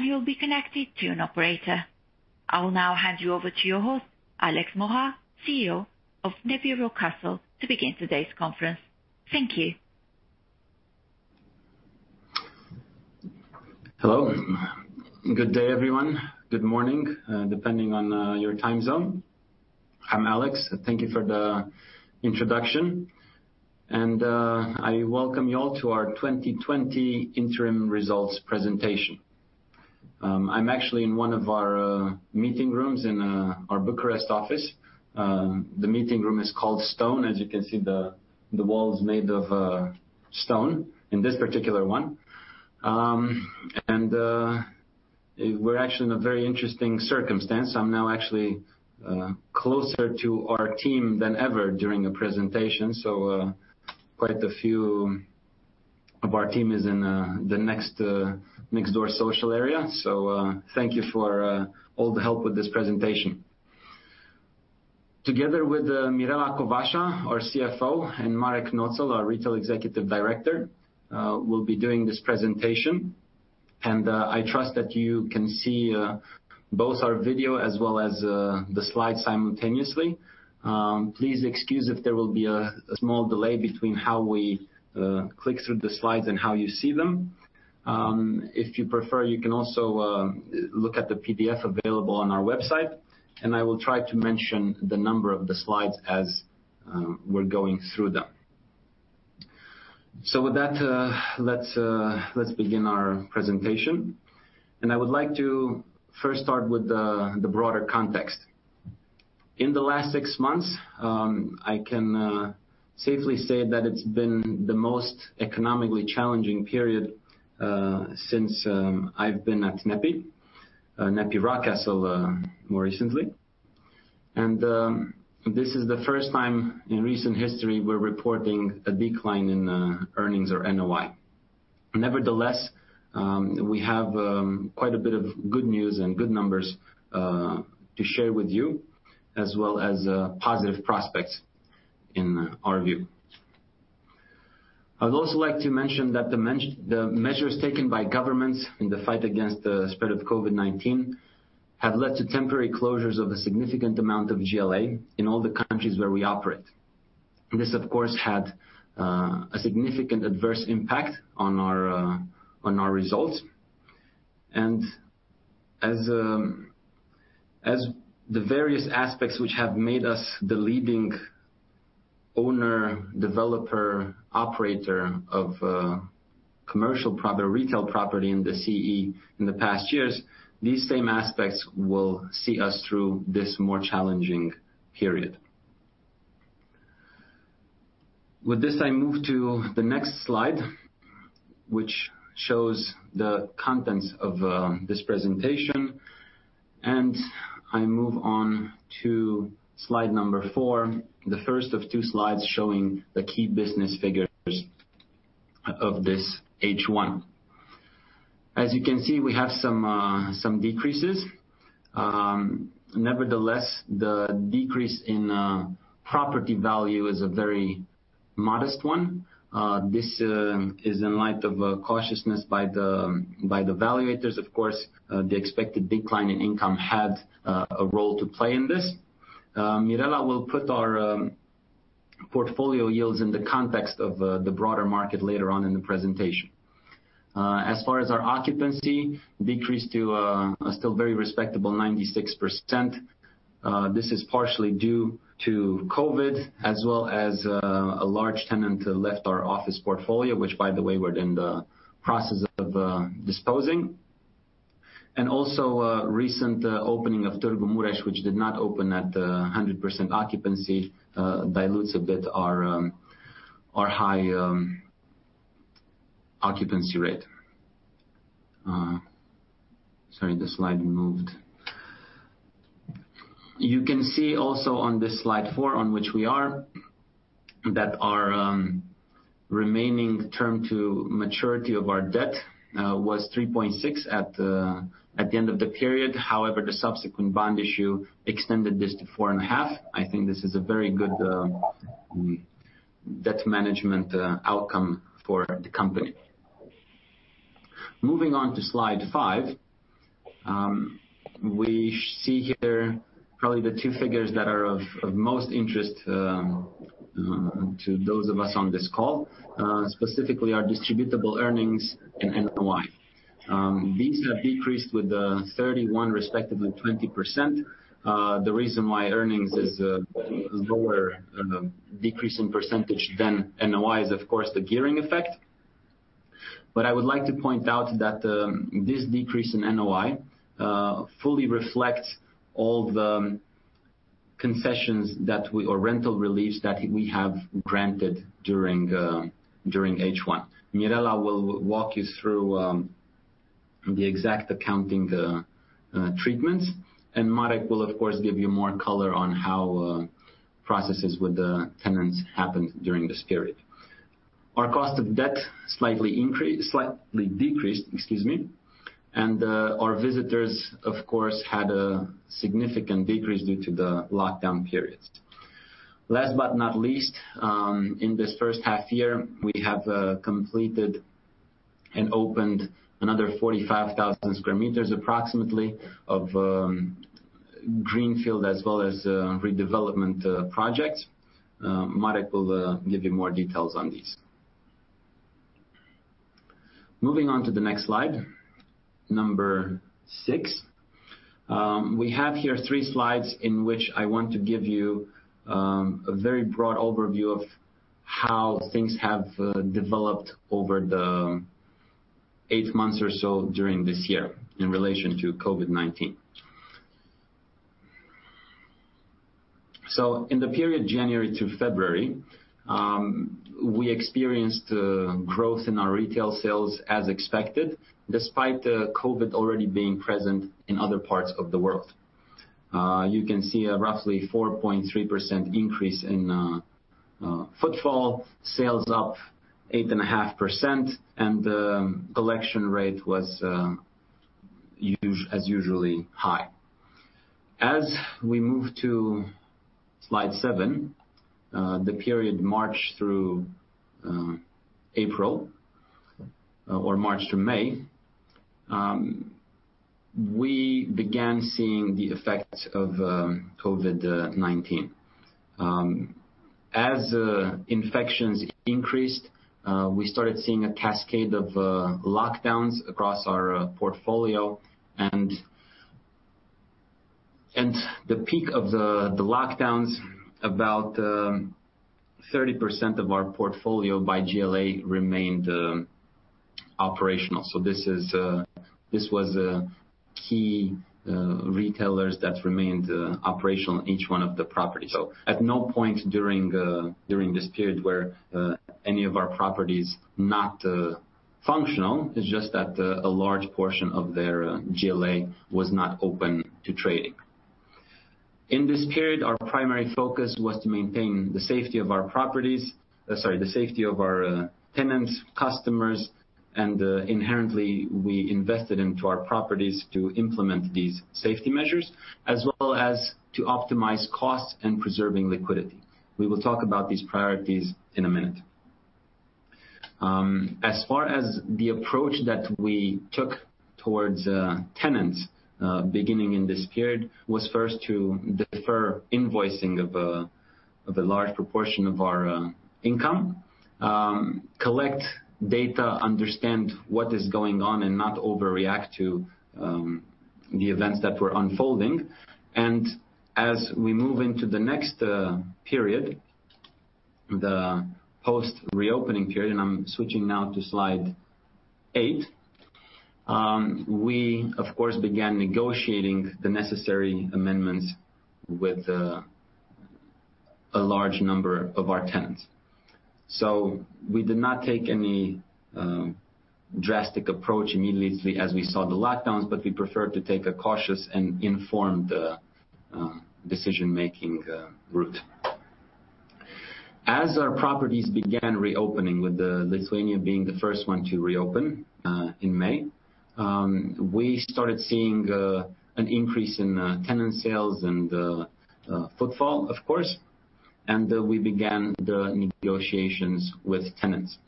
You'll be connected to an operator. I will now hand you over to your host, Alex Morar, CEO of NEPI Rockcastle, to begin today's conference. Thank you. Hello. Good day, everyone. Good morning, depending on your time zone. I'm Alex. Thank you for the introduction. I welcome you all to our 2020 interim results presentation. I'm actually in one of our meeting rooms in our Bucharest office. The meeting room is called Stone. As you can see, the wall's made of stone in this particular one. We're actually in a very interesting circumstance. I'm now actually closer to our team than ever during a presentation. Quite a few of our team is in the next door social area. Thank you for all the help with this presentation. Together with Mirela Covașă, our CFO, and Marek Noetzel, our Retail Executive Director, we'll be doing this presentation. I trust that you can see both our video as well as the slides simultaneously. Please excuse if there will be a small delay between how we click through the slides and how you see them. If you prefer, you can also look at the PDF available on our website, and I will try to mention the number of the slides as we're going through them. With that, let's begin our presentation. I would like to first start with the broader context. In the last six months, I can safely say that it's been the most economically challenging period since I've been at NEPI Rockcastle more recently. This is the first time in recent history we're reporting a decline in earnings or NOI. Nevertheless, we have quite a bit of good news and good numbers to share with you, as well as positive prospects in our view. I would also like to mention that the measures taken by governments in the fight against the spread of COVID-19 have led to temporary closures of a significant amount of GLA in all the countries where we operate. This, of course, had a significant adverse impact on our results. As the various aspects which have made us the leading owner, developer, operator of commercial retail property in the CEE in the past years, these same aspects will see us through this more challenging period. With this, I move to the next slide, which shows the contents of this presentation, and I move on to slide number four, the first of two slides showing the key business figures of this H1. As you can see, we have some decreases. Nevertheless, the decrease in property value is a very modest one. This is in light of cautiousness by the valuators, of course. The expected decline in income had a role to play in this. Mirela will put our portfolio yields in the context of the broader market later on in the presentation. As far as our occupancy decreased to a still very respectable 96%. This is partially due to COVID as well as a large tenant who left our office portfolio, which, by the way, we're in the process of disposing. Also, recent opening of Târgu Mureș, which did not open at 100% occupancy, dilutes a bit our high occupancy rate. Sorry, the slide moved. You can see also on this slide four on which we are, that our remaining term to maturity of our debt was 3.6 at the end of the period. However, the subsequent bond issue extended this to 4.5. I think this is a very good debt management outcome for the company. Moving on to slide five. We see here probably the two figures that are of most interest to those of us on this call, specifically our distributable earnings and NOI. These have decreased with 31%, respectively 20%. The reason why earnings is lower decrease in percentage than NOI is, of course, the gearing effect. I would like to point out that this decrease in NOI fully reflects all the concessions or rental reliefs that we have granted during H1. Mirela will walk you through the exact accounting treatments, Marek will, of course, give you more color on how processes with the tenants happened during this period. Our cost of debt slightly decreased, excuse me. Our visitors, of course, had a significant decrease due to the lockdown periods. Last but not least, in this first half-year, we have completed and opened another 45,000 sq m, approximately, of greenfield as well as redevelopment projects. Marek will give you more details on these. Moving on to the next slide, number six. We have here three slides in which I want to give you a very broad overview of how things have developed over the eightmonths or so during this year in relation to COVID. In the period January to February, we experienced growth in our retail sales as expected, despite COVID already being present in other parts of the world. You can see a roughly 4.3% increase in footfall, sales up 8.5%, and the collection rate was as usually high. We move to slide seven, the period March through April, or March through May, we began seeing the effects of COVID-19. Infections increased, we started seeing a cascade of lockdowns across our portfolio. The peak of the lockdowns, about 30% of our portfolio by GLA remained operational. This was key retailers that remained operational in each one of the properties. At no point during this period were any of our properties not functional, it's just that a large portion of their GLA was not open to trading. In this period, our primary focus was to maintain the safety of our tenants, customers, and inherently, we invested into our properties to implement these safety measures, as well as to optimize costs and preserving liquidity. We will talk about these priorities in a minute. As far as the approach that we took towards tenants beginning in this period, was first to defer invoicing of a large proportion of our income, collect data, understand what is going on, and not overreact to the events that were unfolding. As we move into the next period, the post-reopening period, and I'm switching now to slide eight, we, of course, began negotiating the necessary amendments with a large number of our tenants. We did not take any drastic approach immediately as we saw the lockdowns, but we preferred to take a cautious and informed decision-making route. As our properties began reopening, with Lithuania being the first one to reopen in May, we started seeing an increase in tenant sales and footfall, of course, and we began the negotiations with tenants.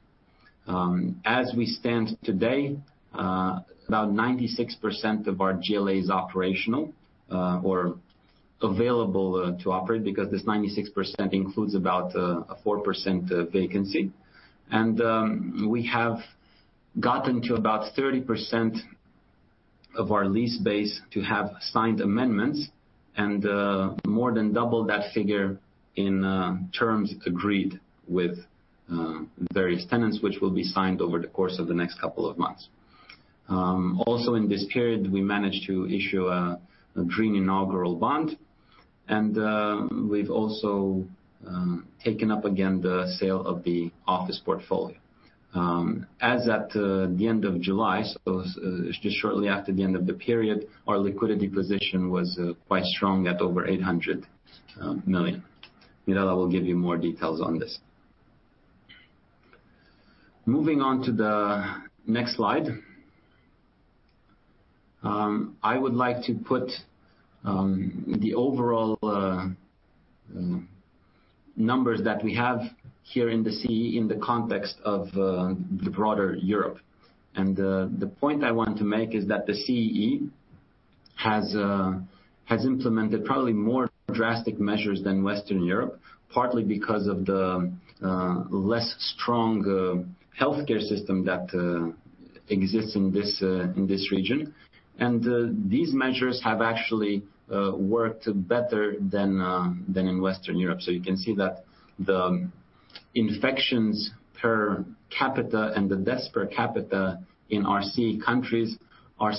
We stand today, about 96% of our GLA is operational or available to operate because this 96% includes about a 4% vacancy. We have gotten to about 30% of our lease base to have signed amendments, and more than double that figure in terms agreed with various tenants, which will be signed over the course of the next couple of months. In this period, we managed to issue a green inaugural bond, and we've also taken up again the sale of the office portfolio. At the end of July, so it's just shortly after the end of the period, our liquidity position was quite strong at over 800 million. Mirela will give you more details on this. Moving on to the next slide. I would like to put the overall numbers that we have here in the CEE in the context of the broader Europe. The point I want to make is that the CEE has implemented probably more drastic measures than Western Europe, partly because of the less strong healthcare system that exists in this region. These measures have actually worked better than in Western Europe. You can see that the infections per capita and the deaths per capita in our CEE countries are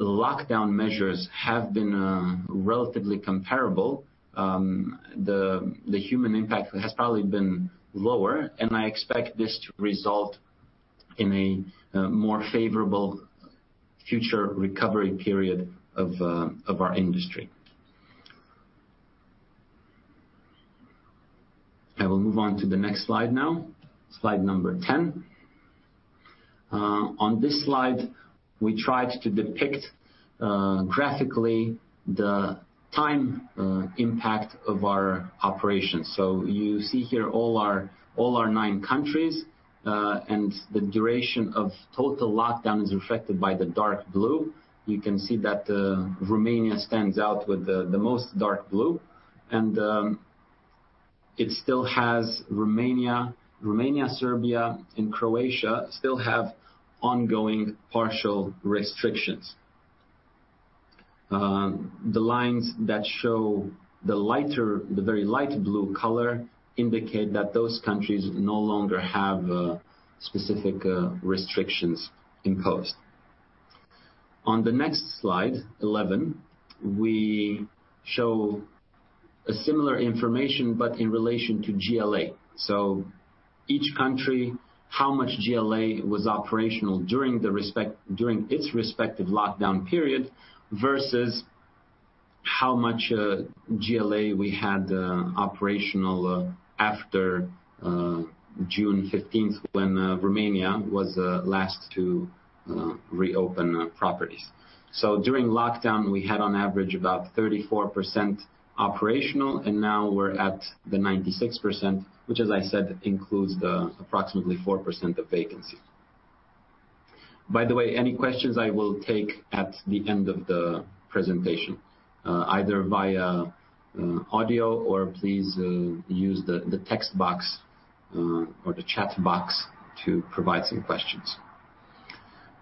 significantly lower than Western Europe. Although lockdown measures have been relatively comparable, the human impact has probably been lower, and I expect this to result in a more favorable future recovery period of our industry. I will move on to the next slide now, slide number 10. On this slide, we tried to depict graphically the time impact of our operations. You see here all our nine countries, and the duration of total lockdown is reflected by the dark blue. You can see that Romania stands out with the most dark blue, and it still has Romania, Serbia, and Croatia still have ongoing partial restrictions. The lines that show the very light blue color indicate that those countries no longer have specific restrictions imposed. On the next slide 11, we show a similar information, but in relation to GLA. Each country, how much GLA was operational during its respective lockdown period versus how much GLA we had operational after June 15th, when Romania was last to reopen properties. During lockdown, we had on average about 34% operational, and now we're at the 96%, which, as I said, includes the approximately 4% of vacancy. By the way, any questions I will take at the end of the presentation, either via audio or please use the text box or the chat box to provide some questions.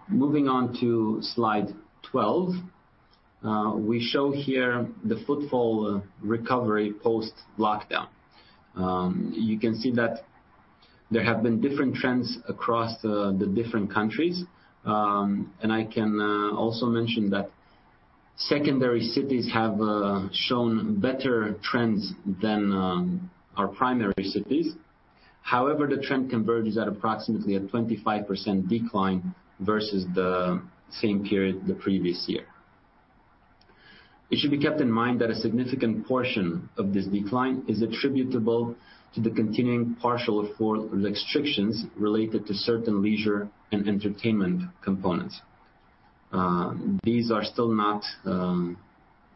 Moving on to slide 12. We show here the footfall recovery post-lockdown. You can see that there have been different trends across the different countries. I can also mention that secondary cities have shown better trends than our primary cities. The trend converges at approximately a 25% decline versus the same period the previous year. It should be kept in mind that a significant portion of this decline is attributable to the continuing partial restrictions related to certain leisure and entertainment components. These are still not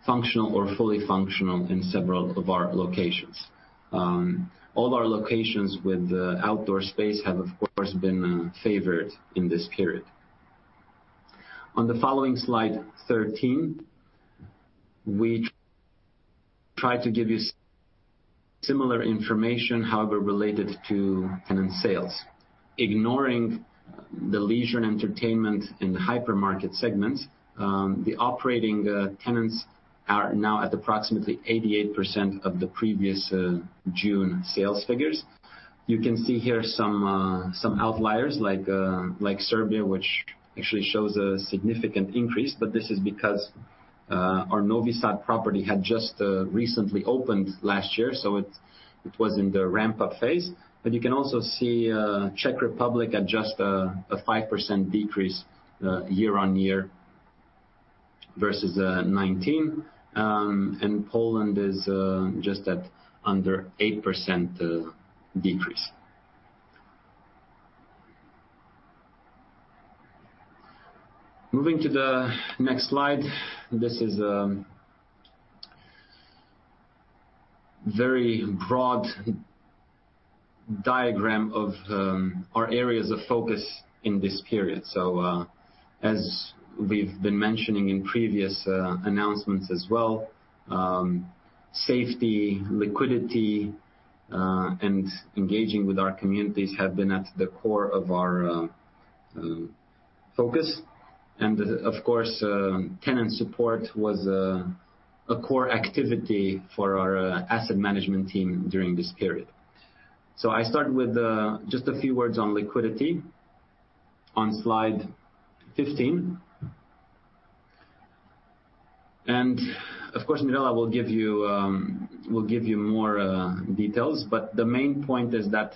functional or fully functional in several of our locations. All our locations with outdoor space have, of course, been favored in this period. On the following slide, 13, we try to give you similar information, however, related to tenant sales. Ignoring the leisure and entertainment and hypermarket segments, the operating tenants are now at approximately 88% of the previous June sales figures. You can see here some outliers like Serbia, which actually shows a significant increase, but this is because our Novi Sad property had just recently opened last year, so it was in the ramp-up phase. You can also see Czech Republic at just a 5% decrease year-on-year versus 2019, and Poland is just at under 8% decrease. Moving to the next slide. This is a very broad diagram of our areas of focus in this period. As we've been mentioning in previous announcements as well, safety, liquidity, and engaging with our communities have been at the core of our focus. Of course, tenant support was a core activity for our asset management team during this period. I start with just a few words on liquidity on slide 15. Mirela will give you more details, but the main point is that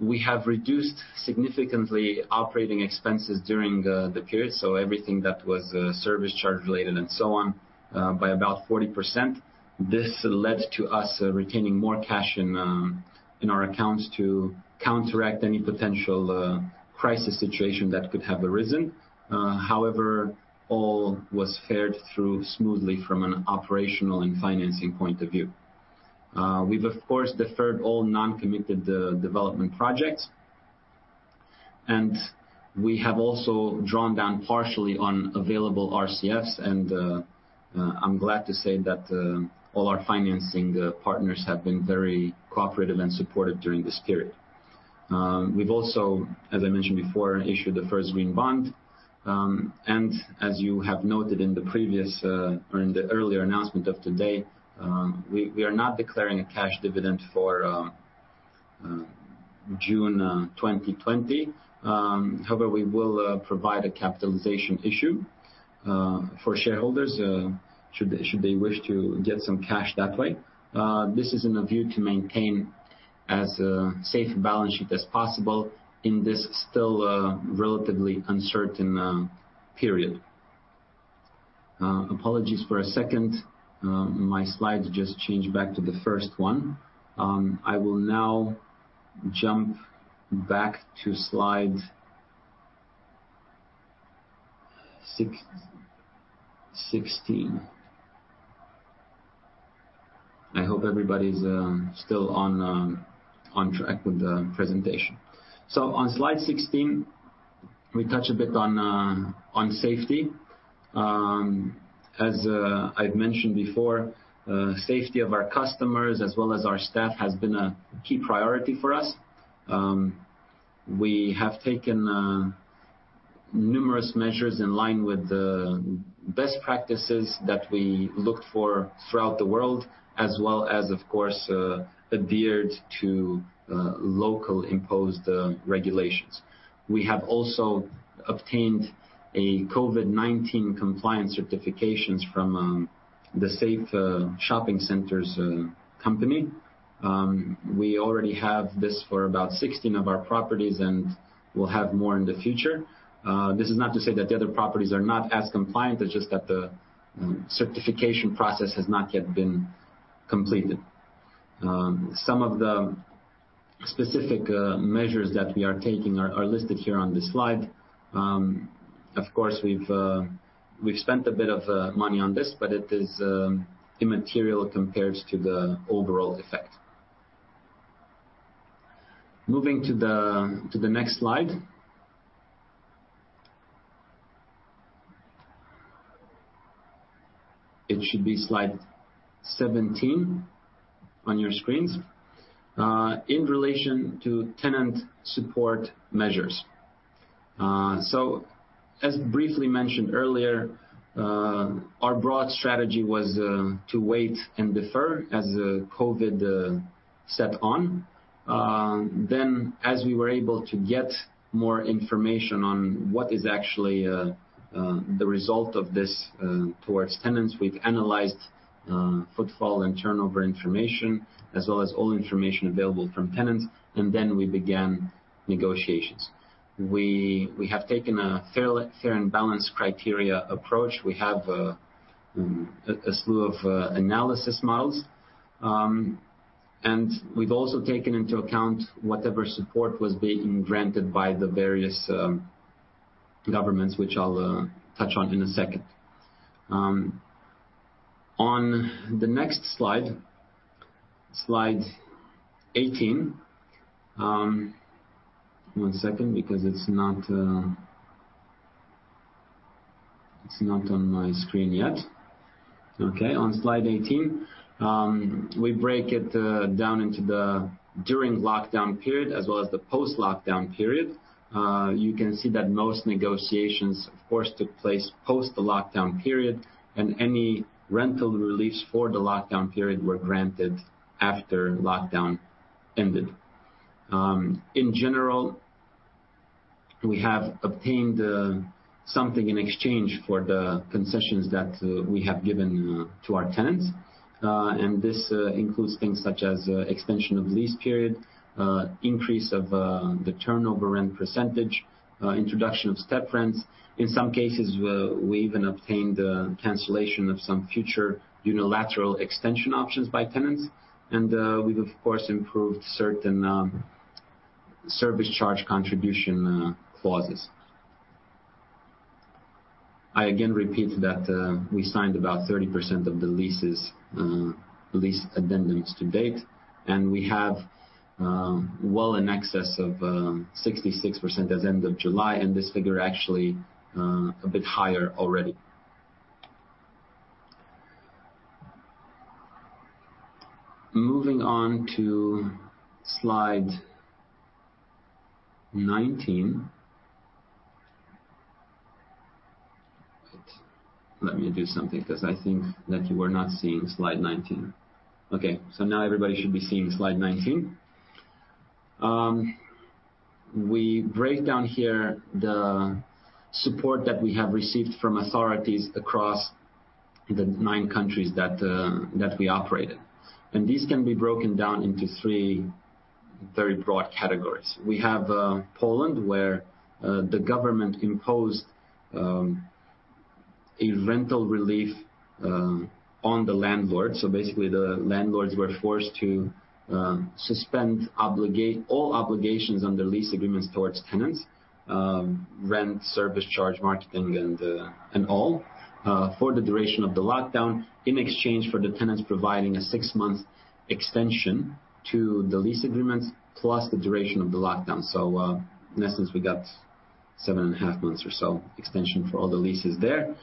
we have reduced significantly operating expenses during the period, so everything that was service charge related and so on, by about 40%. This led to us retaining more cash in our accounts to counteract any potential crisis situation that could have arisen. All was fared through smoothly from an operational and financing point of view. We've, of course, deferred all non-committed development projects, and we have also drawn down partially on available RCFs and I'm glad to say that all our financing partners have been very cooperative and supportive during this period. We've also, as I mentioned before, issued the first green bond. As you have noted in the earlier announcement of today, we are not declaring a cash dividend for June 2020. How about we will provide a capitalization issue for shareholders should they wish to get some cash that way. This is in a view to maintain as safe a balance sheet as possible in this still relatively uncertain period. Apologies for a second. My slide just changed back to the first one. I will now jump back to slide 16. I hope everybody's still on track with the presentation. On slide 16, we touch a bit on safety. As I've mentioned before, safety of our customers as well as our staff has been a key priority for us. We have taken numerous measures in line with the best practices that we looked for throughout the world, as well as, of course, adhered to local imposed regulations. We have also obtained a COVID-19 compliance certifications from the SAFE Shopping Center Company. We already have this for about 16 of our properties, and we'll have more in the future. This is not to say that the other properties are not as compliant, it's just that the certification process has not yet been completed. Some of the specific measures that we are taking are listed here on this slide. Of course, we've spent a bit of money on this, but it is immaterial compared to the overall effect. Moving to the next slide. It should be slide 17 on your screens. In relation to tenant support measures. As briefly mentioned earlier, our broad strategy was to wait and defer as COVID-19 set on. As we were able to get more information on what is actually the result of this towards tenants, we've analyzed footfall and turnover information, as well as all information available from tenants, and then we began negotiations. We have taken a fair and balanced criteria approach. We have a slew of analysis models. We've also taken into account whatever support was being granted by the various governments, which I'll touch on in a second. On the next slide 18. One second, because it's not on my screen yet. Okay. On slide 18, we break it down into the during lockdown period as well as the post-lockdown period. You can see that most negotiations, of course, took place post the lockdown period, and any rental reliefs for the lockdown period were granted after lockdown ended. In general, we have obtained something in exchange for the concessions that we have given to our tenants. This includes things such as extension of lease period, increase of the turnover rent %, introduction of step rents. In some cases, we even obtained cancellation of some future unilateral extension options by tenants. We've, of course, improved certain service charge contribution clauses. I again repeat that we signed about 30% of the leases, lease addendums to date, and we have well in excess of 66% as end of July, and this figure actually a bit higher already. Moving on to slide 19. Let me do something because I think that you were not seeing slide 19. Now everybody should be seeing slide 19. We break down here the support that we have received from authorities across the nine countries that we operate in. These can be broken down into three very broad categories. We have Poland, where the government imposed a rental relief on the landlord. Basically, the landlords were forced to suspend all obligations under lease agreements towards tenants, rent, service charge, marketing and all, for the duration of the lockdown, in exchange for the tenants providing a six-month extension to the lease agreements plus the duration of the lockdown. In essence, we got seven and a half months or so extension for all the leases there.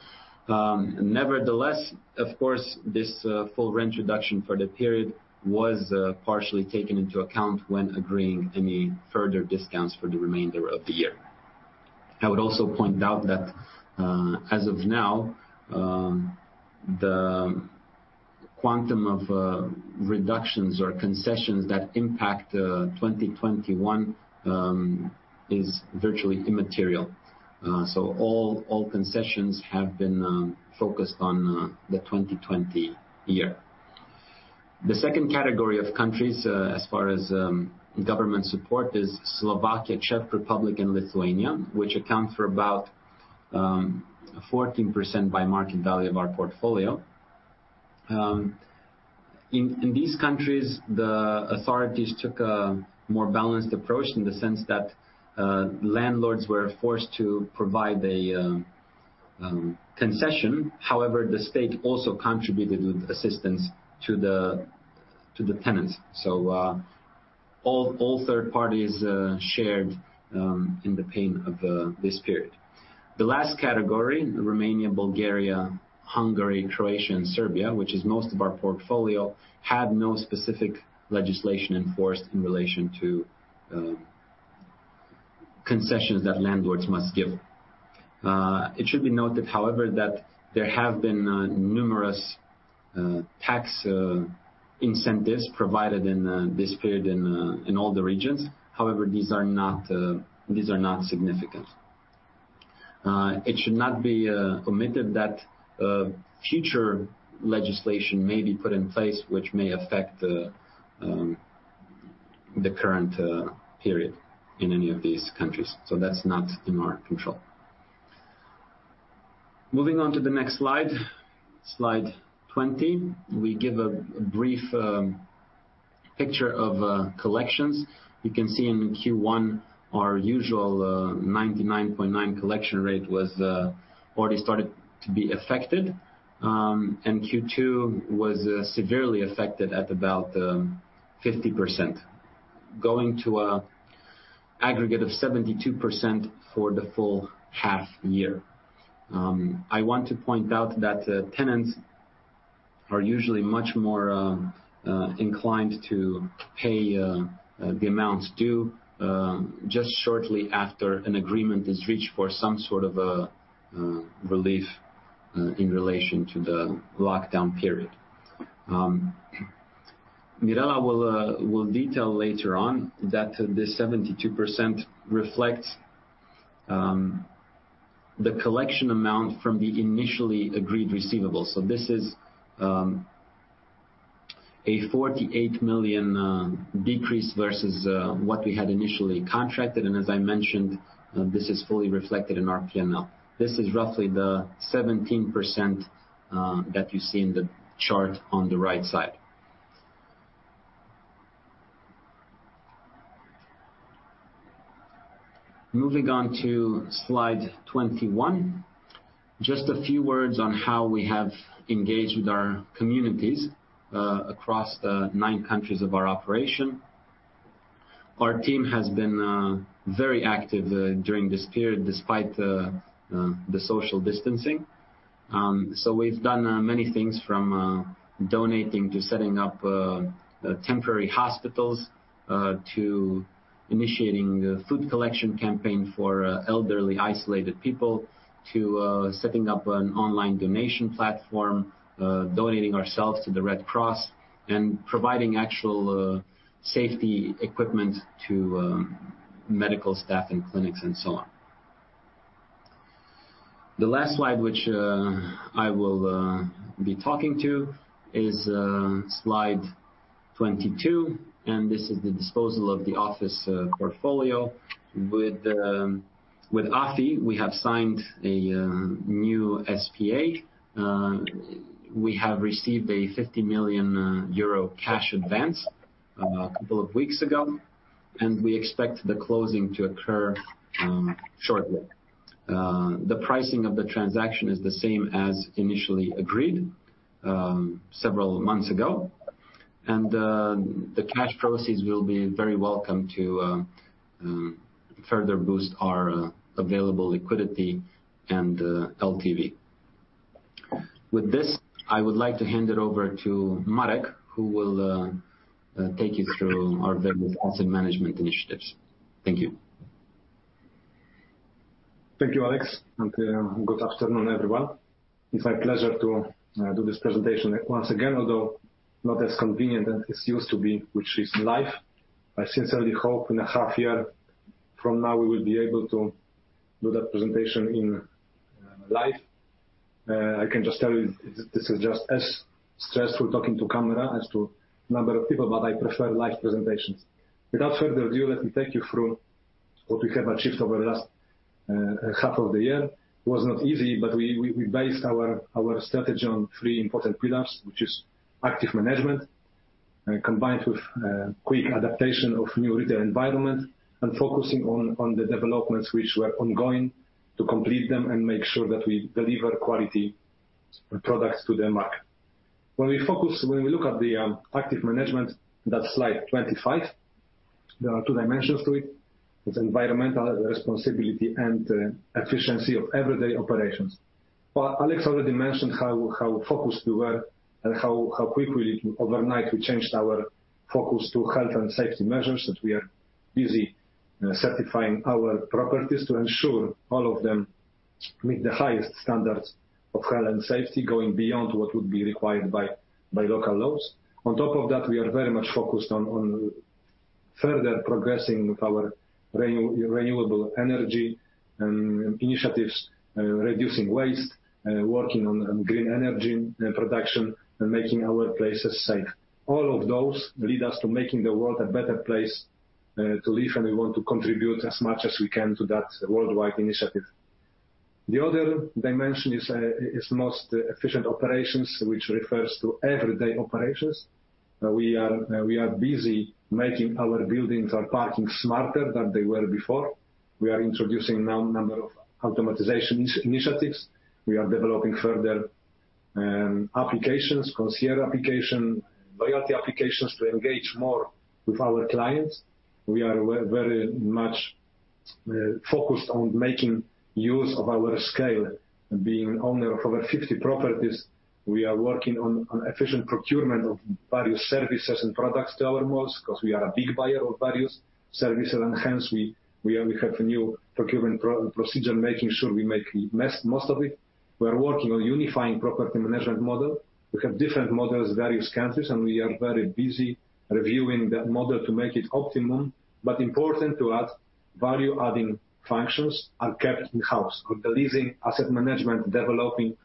Nevertheless, of course, this full rent reduction for the period was partially taken into account when agreeing any further discounts for the remainder of the year. I would also point out that, as of now, the quantum of reductions or concessions that impact 2021 is virtually immaterial. All concessions have been focused on the 2020 year. The second category of countries, as far as government support, is Slovakia, Czech Republic, and Lithuania, which account for about 14% by market value of our portfolio. In these countries, the authorities took a more balanced approach in the sense that landlords were forced to provide a concession. However, the state also contributed with assistance to the tenants. All third parties shared in the pain of this period. The last category, Romania, Bulgaria, Hungary, Croatia, and Serbia, which is most of our portfolio, had no specific legislation enforced in relation to concessions that landlords must give. It should be noted, however, that there have been numerous tax incentives provided in this period in all the regions. However, these are not significant. It should not be omitted that future legislation may be put in place which may affect the current period in any of these countries. That's not in our control. Moving on to the next slide 20, we give a brief picture of collections. You can see in Q1, our usual 99.9 collection rate was already started to be affected. Q2 was severely affected at about 50%, going to aggregate of 72% for the full half year. I want to point out that tenants are usually much more inclined to pay the amounts due, just shortly after an agreement is reached for some sort of a relief in relation to the lockdown period. Mirela will detail later on that the 72% reflects the collection amount from the initially agreed receivables. This is a 48 million decrease versus what we had initially contracted. As I mentioned, this is fully reflected in our P&L. This is roughly the 17% that you see in the chart on the right side. Moving on to slide 21. Just a few words on how we have engaged with our communities across the nine countries of our operation. Our team has been very active during this period despite the social distancing. We've done many things from donating to setting up temporary hospitals, to initiating a food collection campaign for elderly isolated people, to setting up an online donation platform, donating ourselves to the Red Cross, and providing actual safety equipment to medical staff and clinics, and so on. The last slide, which I will be talking to is slide 22, and this is the disposal of the office portfolio. With AFI, we have signed a new SPA. We have received a 50 million euro cash advance a couple of weeks ago, and we expect the closing to occur shortly. The pricing of the transaction is the same as initially agreed several months ago. The cash proceeds will be very welcome to further boost our available liquidity and LTV. With this, I would like to hand it over to Marek, who will take you through our various asset management initiatives. Thank you. Thank you, Alex. Good afternoon, everyone. It's my pleasure to do this presentation once again, although not as convenient as it used to be, which is live. I sincerely hope in a half year from now, we will be able to do that presentation in live. I can just tell you, this is just as stressful talking to camera as to a number of people, but I prefer live presentations. Without further ado, let me take you through what we have achieved over the last half of the year. It was not easy, but we based our strategy on three important pillars, which is active management, combined with quick adaptation of new retail environment and focusing on the developments which were ongoing to complete them and make sure that we deliver quality products to the market. When we look at the active management, that's slide 25. There are two dimensions to it. It's environmental responsibility and efficiency of everyday operations. Alex already mentioned how focused we were and how quickly overnight we changed our focus to health and safety measures, that we are busy certifying our properties to ensure all of them meet the highest standards of health and safety, going beyond what would be required by local laws. On top of that, we are very much focused on further progressing with our renewable energy initiatives, reducing waste, working on green energy and production, and making our places safe. All of those lead us to making the world a better place to live, and we want to contribute as much as we can to that worldwide initiative. The other dimension is most efficient operations, which refers to everyday operations. We are busy making our buildings and parking smarter than they were before. We are introducing now a number of automation initiatives. We are developing further applications, concierge application, loyalty applications, to engage more with our clients. We are very much focused on making use of our scale. Being owner of over 50 properties, we are working on efficient procurement of various services and products to our malls, because we are a big buyer of various services. Hence, we have a new procurement procedure, making sure we make most of it. We are working on unifying property management model. We have different models in various countries, and we are very busy reviewing that model to make it optimum, but important to us, value-adding functions are kept in-house. The leasing, asset management, developing,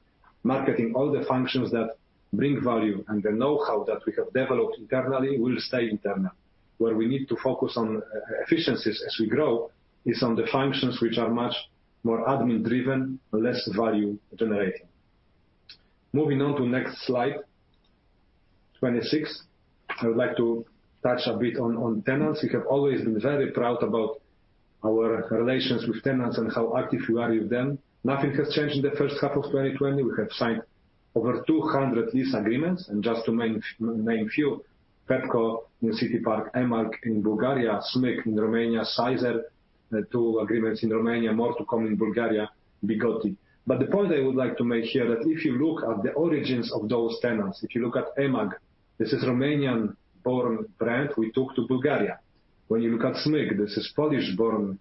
marketing, all the functions that bring value and the know-how that we have developed internally will stay internal. Where we need to focus on efficiencies as we grow is on the functions which are much more admin-driven, less value generating. Moving on to next slide, 26. I would like to touch a bit on tenants. We have always been very proud about our relations with tenants and how active we are with them. Nothing has changed in the first half of 2020. We have signed over 200 lease agreements, and just to name few, Pepco in City Park, eMAG in Bulgaria, SMYK in Romania, Sizeer, two agreements in Romania, more to come in Bulgaria, Bigotti. The point I would like to make here, that if you look at the origins of those tenants, if you look at eMAG, this is Romanian-born brand we took to Bulgaria. When you look at SMYK, this is Polish-born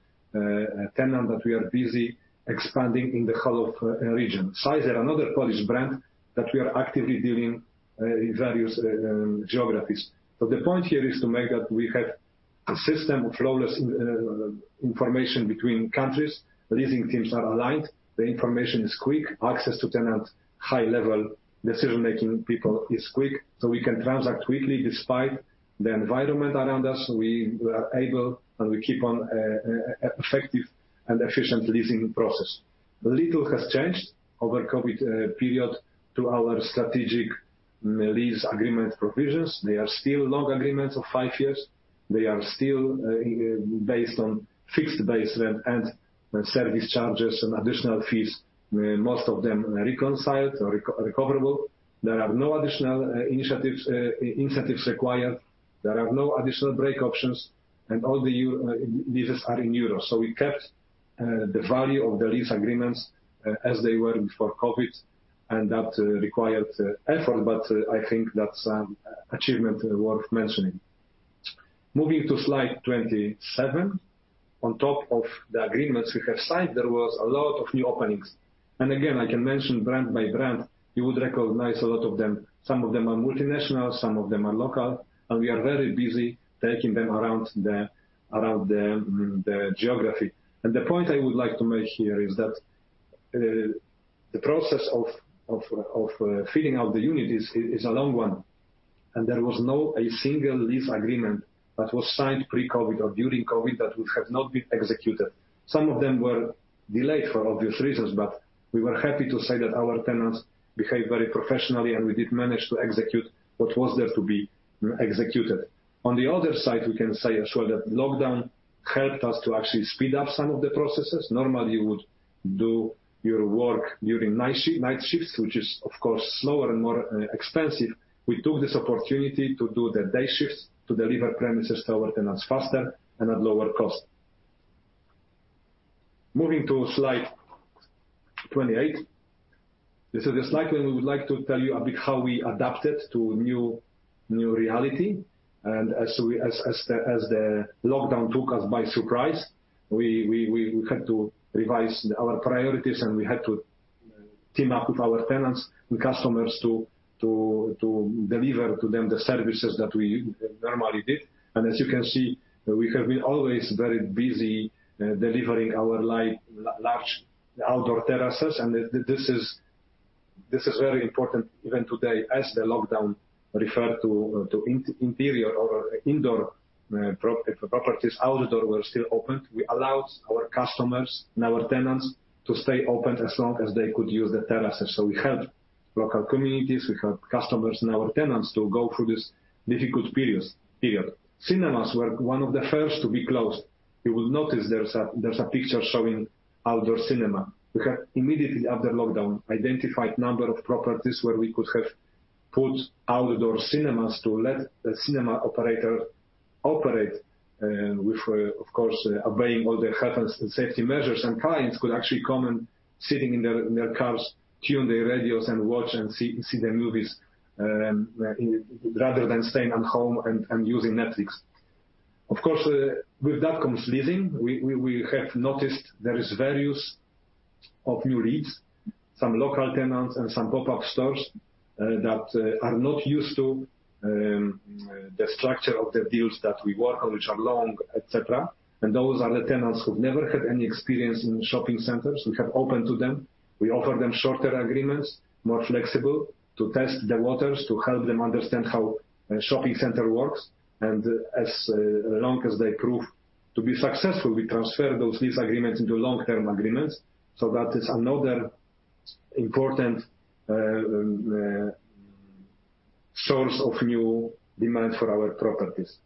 tenant that we are busy expanding in the whole of region. Sizeer, another Polish brand that we are actively dealing in various geographies. The point here is to make that we have a system of flawless information between countries. Leasing teams are aligned. The information is quick. Access to tenants, high-level decision-making people is quick, so we can transact quickly despite the environment around us. We are able, and we keep on effective and efficient leasing process. Little has changed over COVID period to our strategic lease agreement provisions. They are still long agreements of five years. They are still based on fixed base rent and service charges and additional fees, most of them reconciled or recoverable. There are no additional incentives required. There are no additional break options, and all the leases are in euros. We kept the value of the lease agreements as they were before COVID, and that required effort, but I think that's an achievement worth mentioning. Moving to slide 27. On top of the agreements we have signed, there was a lot of new openings. Again, I can mention brand by brand. You would recognize a lot of them. Some of them are multinational, some of them are local, and we are very busy taking them around the geography. The point I would like to make here is that the process of filling out the unit is a long one, and there was no a single lease agreement that was signed pre-COVID or during COVID that would have not been executed. Some of them were delayed for obvious reasons, but we were happy to say that our tenants behaved very professionally, and we did manage to execute what was there to be executed. On the other side, we can say as well that lockdown helped us to actually speed up some of the processes. Normally, you would do your work during night shifts, which is of course, slower and more expensive. We took this opportunity to do the day shifts to deliver premises to our tenants faster and at lower cost. Moving to slide 28. This is a slide where we would like to tell you a bit how we adapted to new reality. As the lockdown took us by surprise, we had to revise our priorities, and we had to team up with our tenants and customers to deliver to them the services that we normally did. As you can see, we have been always very busy delivering our large outdoor terraces. This is very important even today as the lockdown referred to interior or indoor properties, outdoor were still open. We allowed our customers and our tenants to stay open as long as they could use the terraces. We helped local communities, we helped customers and our tenants to go through this difficult period. Cinemas were one of the first to be closed. You will notice there is a picture showing outdoor cinema. We have immediately after lockdown identified number of properties where we could have put outdoor cinemas to let the cinema operator operate with, of course, obeying all the health and safety measures. Clients could actually come and sit in their cars, tune their radios and watch and see the movies, rather than staying at home and using Netflix. Of course, with that comes leasing. We have noticed there is various new leads, some local tenants and some pop-up stores that are not used to the structure of the deals that we work on, which are long, et cetera. Those are the tenants who've never had any experience in shopping centers. We have opened to them. We offer them shorter agreements, more flexible, to test the waters, to help them understand how a shopping center works. As long as they prove to be successful, we transfer those lease agreements into long-term agreements. That is another important source of new demand for our properties.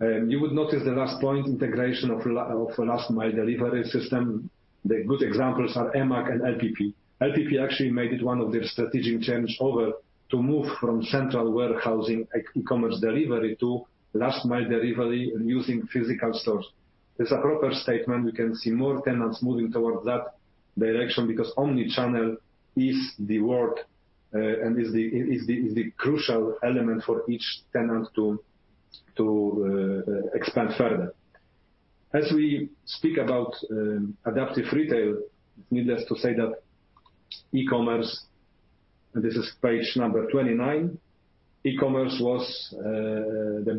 You would notice the last point, integration of last mile delivery system. The good examples are eMAG and LPP. LPP actually made it one of their strategic changeover to move from central warehousing, e-commerce delivery to last mile delivery and using physical stores. It's a proper statement. We can see more tenants moving towards that direction because omni-channel is the word, and is the crucial element for each tenant to expand further. As we speak about adaptive retail, needless to say that e-commerce, this is page number 29, e-commerce was the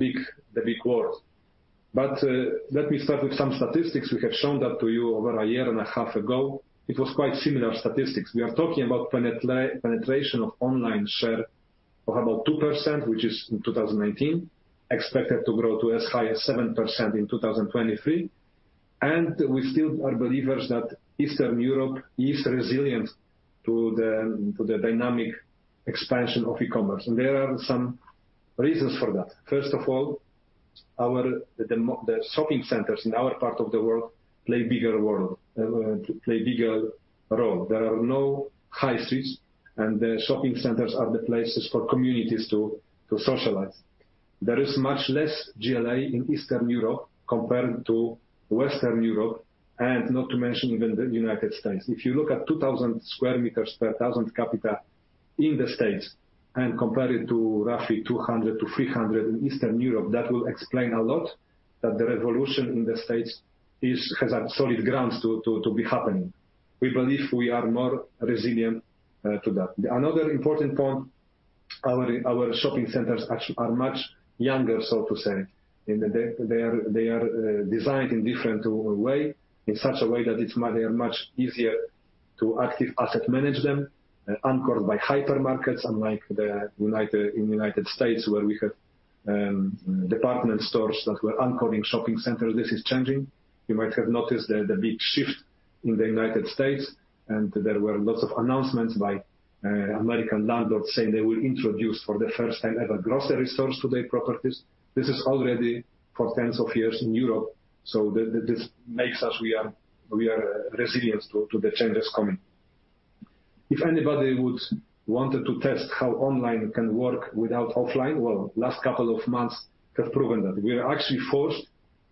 big word. Let me start with some statistics. We have shown that to you over a year and a half ago. It was quite similar statistics. We are talking about penetration of online share of about 2%, which is in 2019, expected to grow to as high as 7% in 2023. We still are believers that Eastern Europe is resilient to the dynamic expansion of e-commerce. There are some reasons for that. First of all, the shopping centers in our part of the world play bigger role. There are no high streets, and the shopping centers are the places for communities to socialize. There is much less GLA in Eastern Europe compared to Western Europe, and not to mention even the United States. If you look at 2,000 sqm per 1,000 capita in the States and compare it to roughly 200-300 in Eastern Europe, that will explain a lot that the revolution in the States has had solid grounds to be happening. We believe we are more resilient to that. Another important point, our shopping centers are much younger, so to say. They are designed in different way, in such a way that they are much easier to active asset manage them, anchored by hypermarkets, unlike in the United States where we have department stores that were anchoring shopping centers. This is changing. You might have noticed the big shift in the U.S. There were lots of announcements by American landlords saying they will introduce for the first time ever, grocery stores to their properties. This is already for tens of years in Europe. This makes us, we are resilient to the changes coming. If anybody would wanted to test how online can work without offline, well, last couple of months have proven that. We are actually forced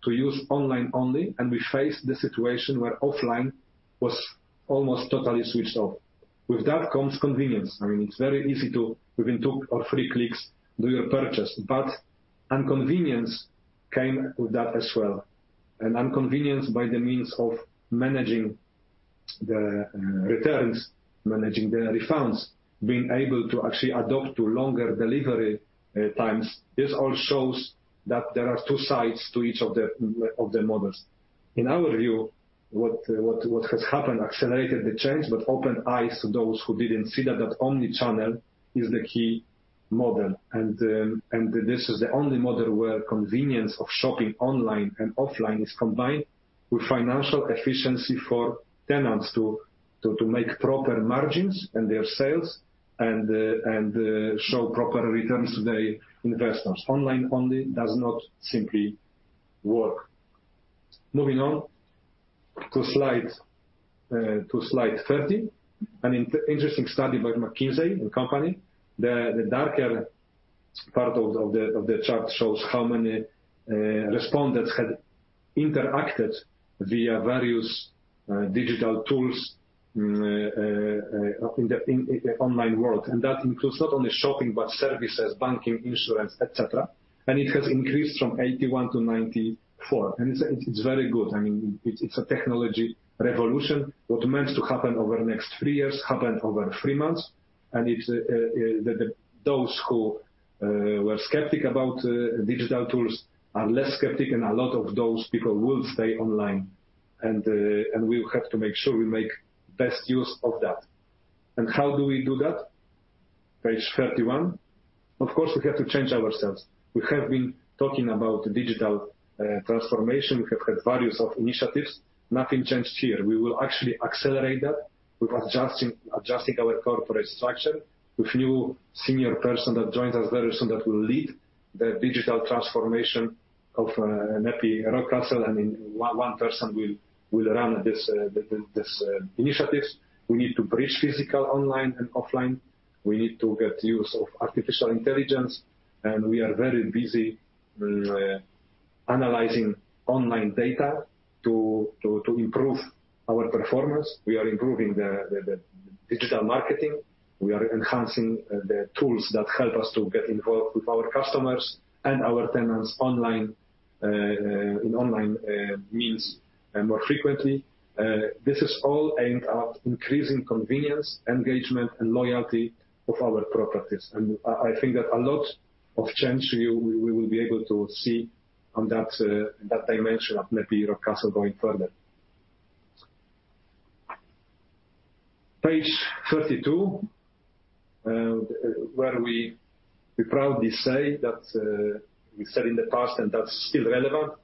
to use online only. We face the situation where offline was almost totally switched off. With that comes convenience. I mean, it's very easy to, within two or three clicks, do your purchase. Inconvenience came with that as well. An inconvenience by the means of managing the returns, managing the refunds, being able to actually adapt to longer delivery times. This all shows that there are two sides to each of the models. In our view, what has happened accelerated the change, but opened eyes to those who didn't see that omni-channel is the key model. This is the only model where convenience of shopping online and offline is combined with financial efficiency for tenants to make proper margins in their sales and show proper returns to their investors. Online only does not simply work. Moving on to slide 30. An interesting study by McKinsey & Company. The darker part of the chart shows how many respondents had interacted via various digital tools in the online world. That includes not only shopping, but services, banking, insurance, et cetera. It has increased from 81%-94%. It's very good. I mean, it's a technology revolution. What was meant to happen over the next three years happened over three months. Those who were skeptic about digital tools are less skeptic, and a lot of those people will stay online. We will have to make sure we make best use of that. How do we do that? Page 31. Of course, we have to change ourselves. We have been talking about digital transformation. We have had various initiatives. Nothing changed here. We will actually accelerate that with adjusting our corporate structure with new senior person that joins us very soon that will lead the digital transformation of NEPI Rockcastle. I mean, one person will run this initiatives. We need to bridge physical online and offline. We need to get use of artificial intelligence, and we are very busy analyzing online data to improve our performance. We are improving the digital marketing. We are enhancing the tools that help us to get involved with our customers and our tenants online. Online means more frequently. This is all aimed at increasing convenience, engagement, and loyalty of our properties. I think that a lot of change we will be able to see on that dimension of NEPI Rockcastle going further. Page 32, where we proudly say that we said in the past, that's still relevant.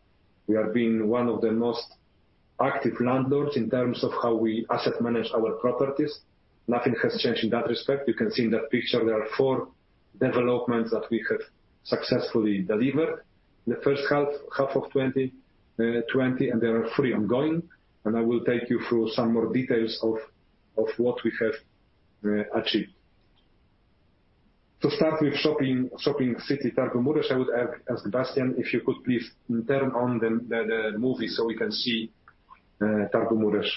We have been one of the most active landlords in terms of how we asset manage our properties. Nothing has changed in that respect. You can see in that picture there are four developments that we have successfully delivered. The first half of 2020, there are three ongoing, I will take you through some more details of what we have achieved. To start with Shopping City Târgu Mureș, I would ask Sebastian, if you could please turn on the movie so we can see Târgu Mureș.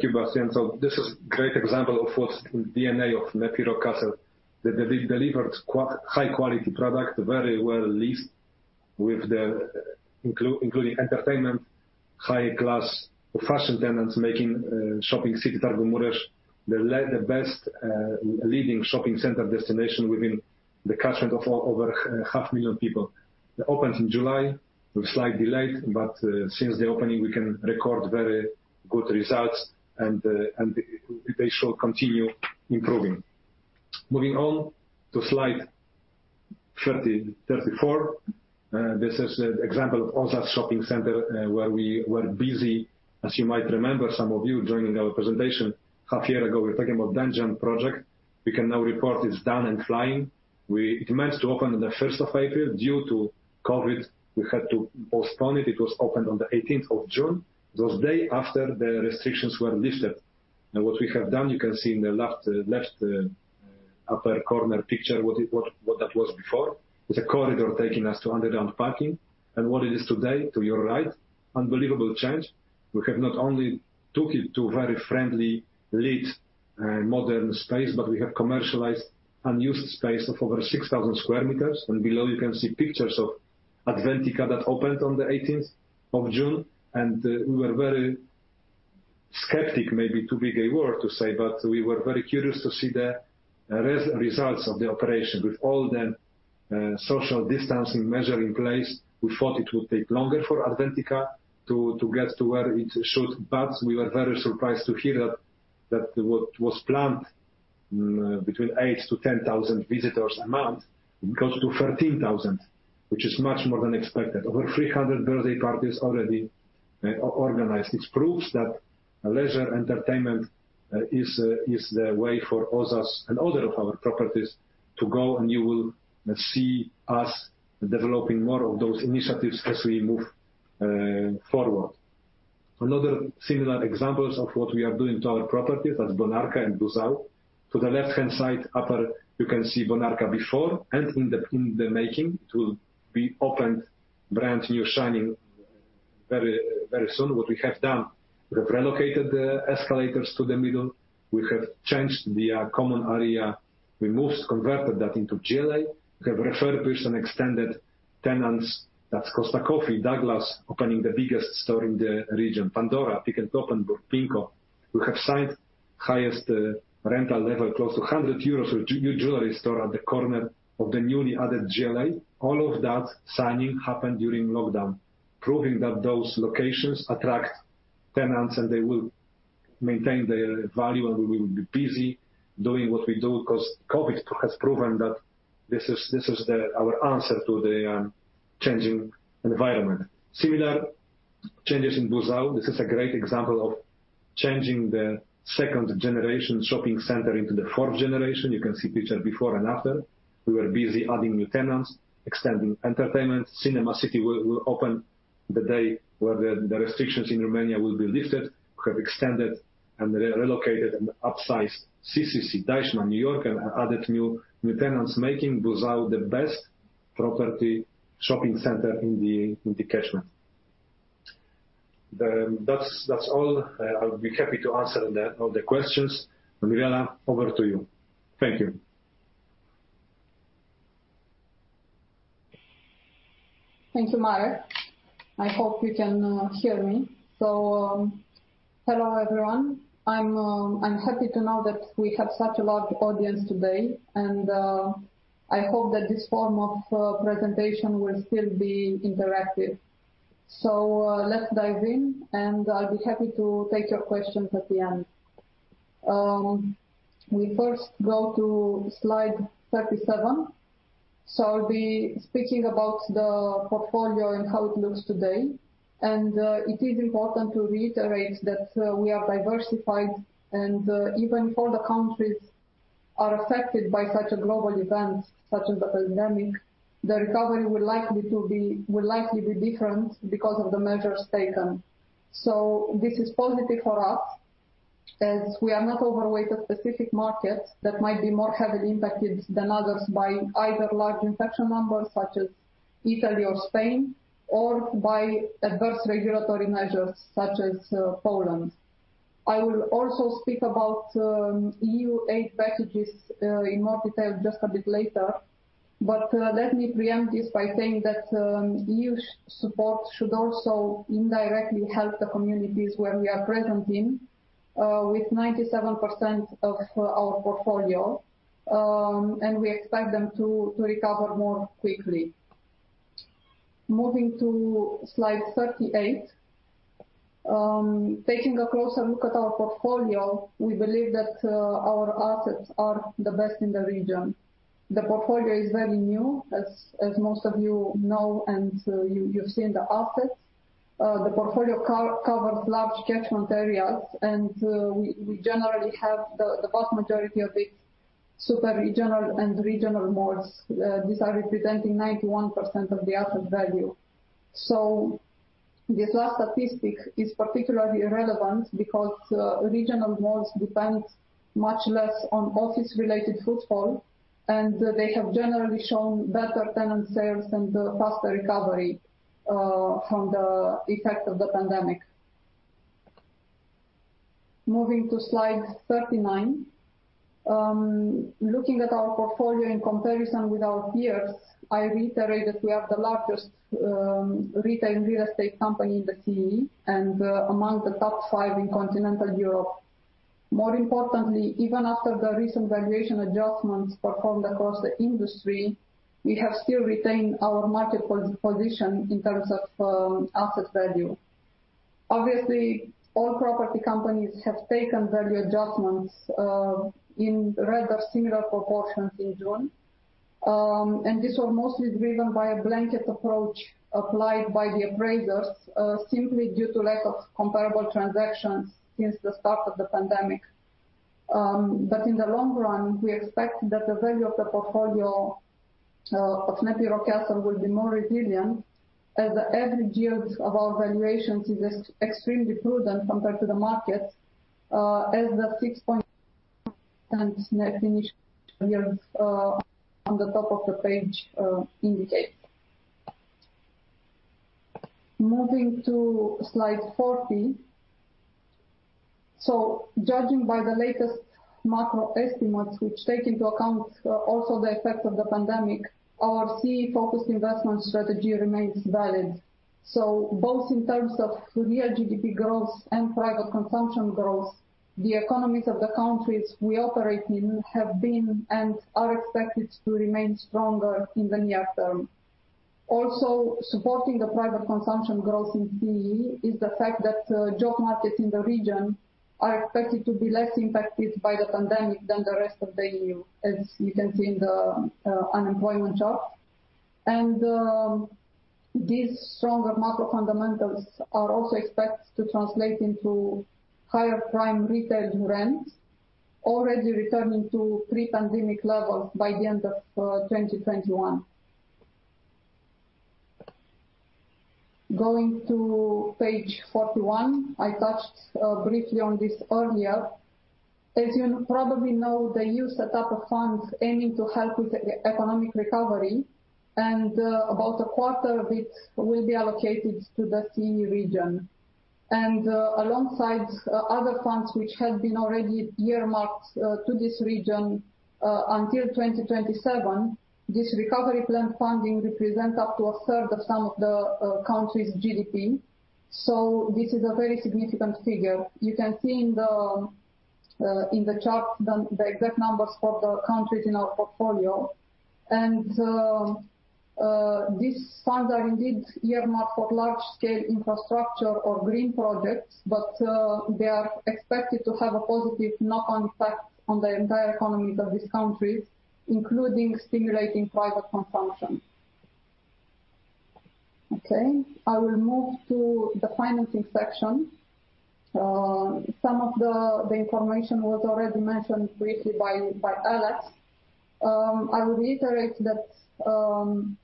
Thank you, Sebastian. This is great example of what's in DNA of NEPI Rockcastle. They delivered high quality product, very well leased, including entertainment, high class fashion tenants making Shopping City Târgu Mureș the best leading shopping center destination within the catchment of over half million people. It opens in July with slight delay, but since the opening we can record very good results and they shall continue improving. Moving on to slide 34. This is an example of Ozas Shopping Center, where we were busy. As you might remember, some of you, joining our presentation half year ago, we were talking about dungeon project. We can now report it's done and flying. It commenced to open on the April 1st. Due to COVID-19, we had to postpone it. It was opened on the June 18th, the day after the restrictions were lifted. What we have done, you can see in the left upper corner picture what that was before. It's a corridor taking us to underground parking. What it is today to your right, unbelievable change. We have not only took it to very friendly lit, modern space, but we have commercialized unused space of over 6,000 sqm. Below you can see pictures of Adventica that opened on the June 18th. We were very skeptic, maybe too big a word to say, but we were very curious to see the results of the operation with all the social distancing measure in place. We thought it would take longer for Adventica to get to where it should, but we were very surprised to hear that what was planned between 8,000-10,000 visitors a month goes to 13,000, which is much more than expected. Over 300 birthday parties already organized. It proves that leisure entertainment is the way for Ozas and other of our properties to go. You will see us developing more of those initiatives as we move forward. Another similar examples of what we are doing to our properties at Bonarka and Buzău. To the left-hand side upper, you can see Bonarka before and in the making. It will be opened brand new, shining very soon. What we have done, we have relocated the escalators to the middle. We have changed the common area. We converted that into GLA. We have refurbished and extended tenants. That's Costa Coffee. Douglas opening the biggest store in the region. Pandora, Peek & Cloppenburg, who have signed highest rental level, close to 100 euros for new jewelry store at the corner of the newly added GLA. All of that signing happened during lockdown, proving that those locations attract tenants and they will maintain their value, and we will be busy doing what we do because COVID-19 has proven that this is our answer to the changing environment. Similar changes in Buzău. This is a great example of changing the second-generation shopping center into the fourth-generation. You can see picture before and after. We were busy adding new tenants, extending entertainment. Cinema City will open the day where the restrictions in Romania will be lifted. We have extended and relocated and upsized CCC, Deichmann, New Yorker, and added new tenants, making Buzău the best property shopping center in the catchment. That's all. I'll be happy to answer all the questions. Mirela, over to you. Thank you. Thank you, Marek. I hope you can hear me. Hello, everyone. I'm happy to know that we have such a large audience today, and I hope that this form of presentation will still be interactive. Let's dive in, and I'll be happy to take your questions at the end. We first go to slide 37. I'll be speaking about the portfolio and how it looks today. It is important to reiterate that we are diversified, and even for the countries are affected by such a global event, such as the pandemic, the recovery will likely be different because of the measures taken. This is positive for us as we are not overweight of specific markets that might be more heavily impacted than others by either large infection numbers such as Italy or Spain, or by adverse regulatory measures such as Poland. I will also speak about EU aid packages in more detail just a bit later. Let me preempt this by saying that EU support should also indirectly help the communities where we are present in with 97% of our portfolio, and we expect them to recover more quickly. Moving to slide 38. Taking a closer look at our portfolio, we believe that our assets are the best in the region. The portfolio is very new, as most of you know, and you've seen the assets. The portfolio covers large catchment areas, and we generally have the vast majority of it super regional and regional malls. These are representing 91% of the asset value. This last statistic is particularly relevant because regional malls depend much less on office related footfall, and they have generally shown better tenant sales and faster recovery from the effect of the pandemic. Moving to slide 39. Looking at our portfolio in comparison with our peers, I reiterate that we are the largest retail real estate company in the CEE, and among the top five in continental Europe. More importantly, even after the recent valuation adjustments performed across the industry, we have still retained our market position in terms of asset value. Obviously, all property companies have taken value adjustments in rather similar proportions in June. These were mostly driven by a blanket approach applied by the appraisers, simply due to lack of comparable transactions since the start of the pandemic. In the long run, we expect that the value of the portfolio of NEPI Rockcastle will be more resilient as the average yields of our valuations is extremely prudent compared to the market as the 6.10 net initial yields on the top of the page indicate. Moving to slide 40. Judging by the latest macro estimates, which take into account also the effect of the pandemic, our CEE-focused investment strategy remains valid. Both in terms of real GDP growth and private consumption growth, the economies of the countries we operate in have been, and are expected to remain stronger in the near term. Also, supporting the private consumption growth in CEE is the fact that job markets in the region are expected to be less impacted by the pandemic than the rest of the EU, as you can see in the unemployment chart. These stronger macro fundamentals are also expected to translate into higher prime retail rents, already returning to pre-pandemic levels by the end of 2021. Going to page 41. I touched briefly on this earlier. As you probably know, the EU set up a fund aiming to help with economic recovery, and about a quarter of it will be allocated to the team region. Alongside other funds which had been already earmarked to this region until 2027, this recovery plan funding represents up to a third of some of the countries' GDP. This is a very significant figure. You can see in the chart the exact numbers for the countries in our portfolio. These funds are indeed earmarked for large scale infrastructure or green projects, but they are expected to have a positive knock-on effect on the entire economies of these countries, including stimulating private consumption. Okay. I will move to the financing section. Some of the information was already mentioned briefly by Alex. I will reiterate that regarding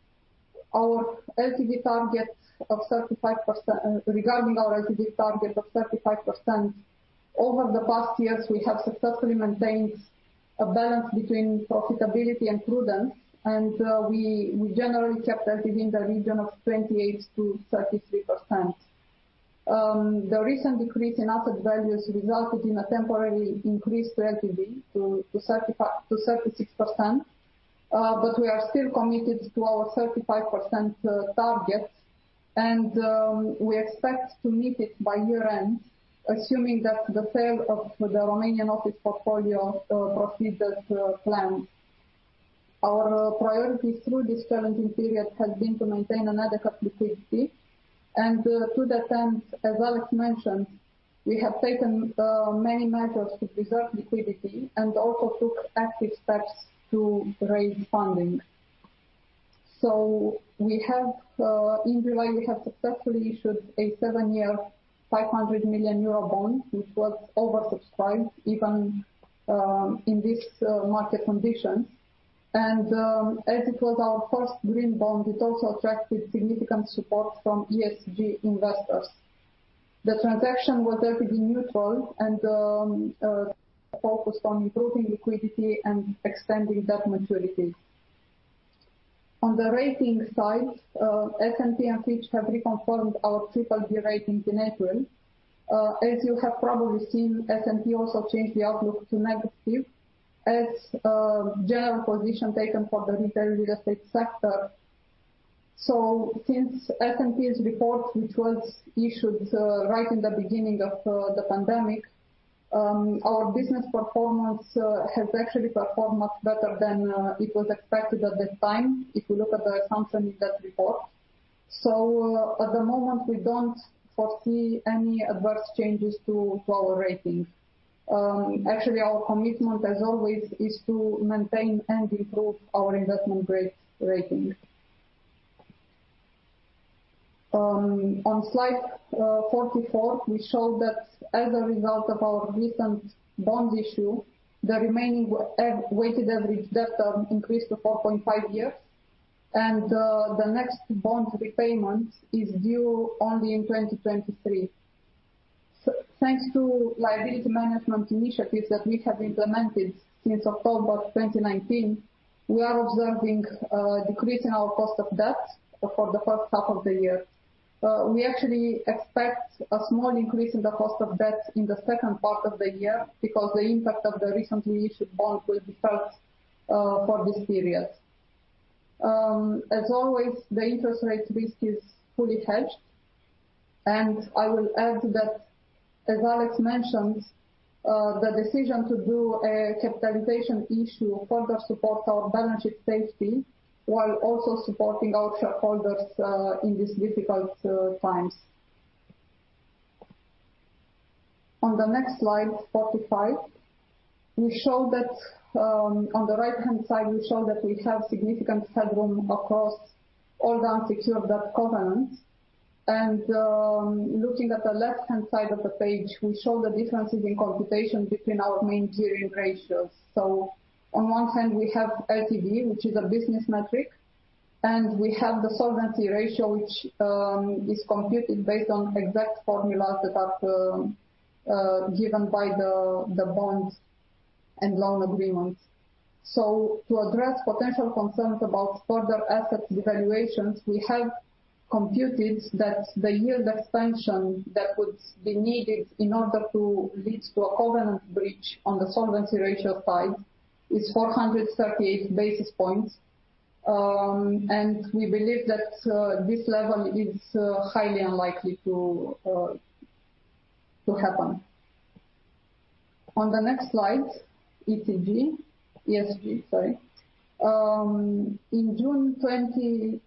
our LTV target of 35%, over the past years, we have successfully maintained a balance between profitability and prudence, and we generally kept LTV in the region of 28%-33%. The recent decrease in asset values resulted in a temporary increase to LTV to 36%. We are still committed to our 35% target, and we expect to meet it by year-end, assuming that the sale of the Romanian office portfolio proceeds as planned. Our priority through this challenging period has been to maintain an adequate liquidity, and to that end, as Alex mentioned, we have taken many measures to preserve liquidity and also took active steps to raise funding. In July, we have successfully issued a seven-year, 500 million euro bond, which was oversubscribed even in this market condition. As it was our first green bond, it also attracted significant support from ESG investors. The transaction was LTV neutral and focused on improving liquidity and extending debt maturities. On the rating side, S&P and Fitch have reconfirmed our BBB ratings in April. As you have probably seen, S&P also changed the outlook to negative as a general position taken for the retail real estate sector. Since S&P's report, which was issued right in the beginning of the pandemic, our business performance has actually performed much better than it was expected at the time, if you look at the assumptions in that report. At the moment, we don't foresee any adverse changes to our rating. Actually, our commitment, as always, is to maintain and improve our investment-grade rating. On slide 44, we show that as a result of our recent bond issue, the remaining weighted average debt increased to 4.5 years, and the next bond repayment is due only in 2023. Thanks to liability management initiatives that we have implemented since October 2019, we are observing a decrease in our cost of debt for the first half of the year. We actually expect a small increase in the cost of debt in the second part of the year because the impact of the recently issued bond will be felt for this period. As always, the interest rate risk is fully hedged. I will add that, as Alex mentioned, the decision to do a capitalization issue further supports our balance sheet safety while also supporting our shareholders in these difficult times. On the next slide, 45, on the right-hand side, we show that we have significant headroom across all the unsecured debt covenants. Looking at the left-hand side of the page, we show the differences in computation between our main gearing ratios. On one hand, we have LTV, which is a business metric, and we have the solvency ratio, which is computed based on exact formulas that are given by the bonds and loan agreements. To address potential concerns about further asset devaluations, we have computed that the yield expansion that would be needed in order to lead to a covenant breach on the solvency ratio side is 438 basis points. We believe that this level is highly unlikely to happen. On the next slide, ESG. In June 2020,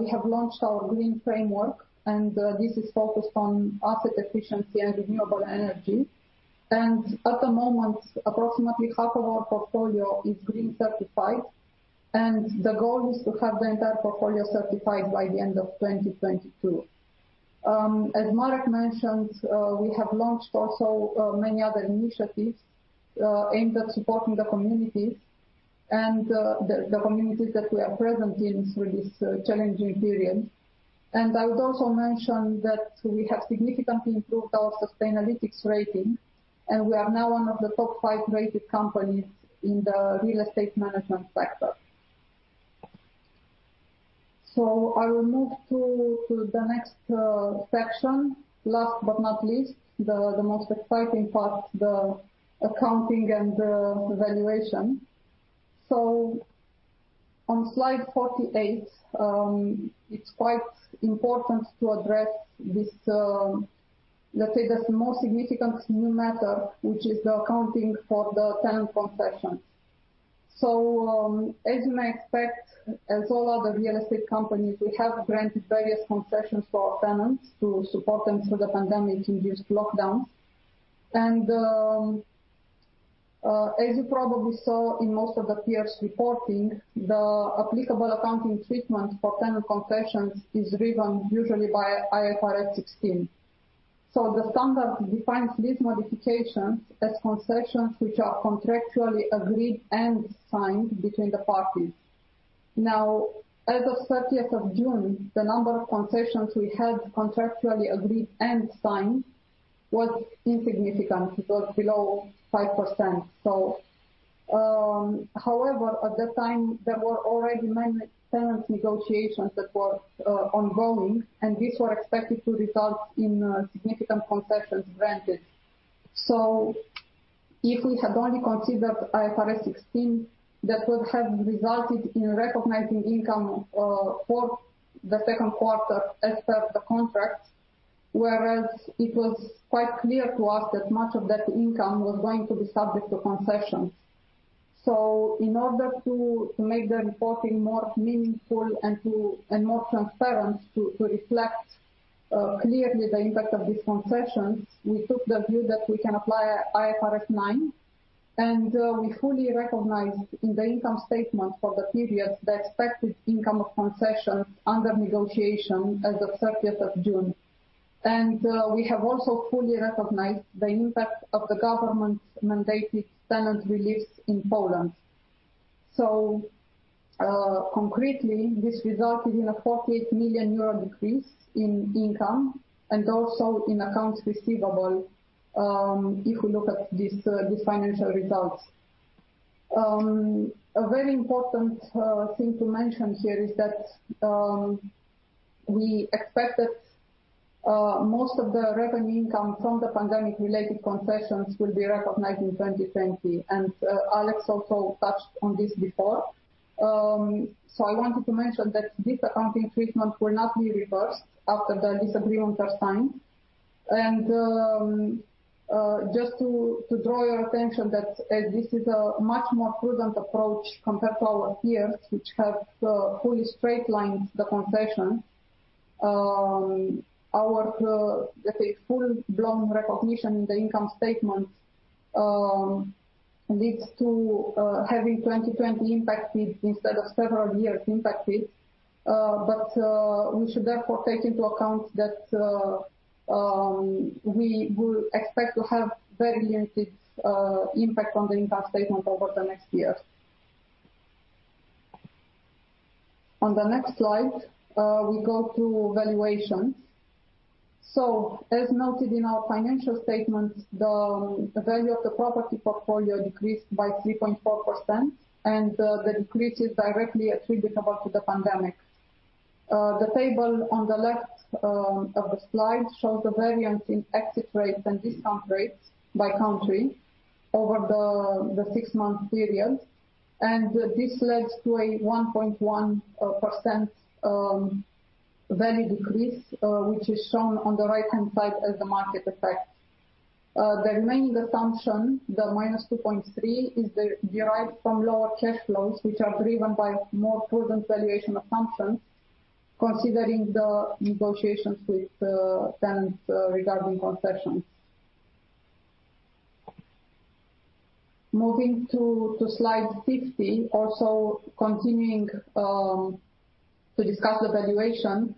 we have launched our green framework, and this is focused on asset efficiency and renewable energy. At the moment, approximately half of our portfolio is green certified, and the goal is to have the entire portfolio certified by the end of 2022. As Marek mentioned, we have launched also many other initiatives aimed at supporting the communities, and the communities that we are present in through this challenging period. I would also mention that we have significantly improved our Sustainalytics rating, and we are now one of the top five rated companies in the real estate management sector. I will move to the next section. Last but not least, the most exciting part, the accounting and the valuation. On slide 48, it's quite important to address, let's say, the most significant new matter, which is the accounting for the tenant concessions. As you may expect, as all other real estate companies, we have granted various concessions for our tenants to support them through the pandemic-induced lockdown. As you probably saw in most of the peers' reporting, the applicable accounting treatment for tenant concessions is driven usually by IFRS 16. The standard defines lease modifications as concessions which are contractually agreed and signed between the parties. Now, as of June 30th, the number of concessions we had contractually agreed and signed was insignificant. It was below 5%. However, at the time, there were already many tenant negotiations that were ongoing, and these were expected to result in significant concessions granted. If we had only considered IFRS 16, that would have resulted in recognizing income for the second quarter as per the contract, whereas it was quite clear to us that much of that income was going to be subject to concessions. In order to make the reporting more meaningful and more transparent to reflect clearly the impact of these concessions, we took the view that we can apply IFRS 9, and we fully recognized in the income statement for the period the expected income of concessions under negotiation as of 30th of June. We have also fully recognized the impact of the government's mandated tenant reliefs in Poland. Concretely, this resulted in a 48 million euro decrease in income and also in accounts receivable, if you look at these financial results. A very important thing to mention here is that we expect that most of the revenue income from the pandemic-related concessions will be recognized in 2020, and Alex also touched on this before. I wanted to mention that this accounting treatment will not be reversed after the disagreements are signed. Just to draw your attention that this is a much more prudent approach compared to our peers, which have fully straight-lined the concession. Our, let's say, full-blown recognition in the income statement leads to having 2020 impacted instead of several years impacted. We should therefore take into account that we will expect to have variant impact on the income statement over the next years. On the next slide, we go to valuations. As noted in our financial statements, the value of the property portfolio decreased by 3.4%, and the decrease is directly attributable to the pandemic. The table on the left of the slide shows the variance in exit rates and discount rates by country over the six-month period. This leads to a 1.1% value decrease, which is shown on the right-hand side as the market effect. The remaining assumption, the -2.3%, is derived from lower cash flows, which are driven by more prudent valuation assumptions considering the negotiations with tenants regarding concessions. Moving to slide 50, also continuing to discuss the valuation.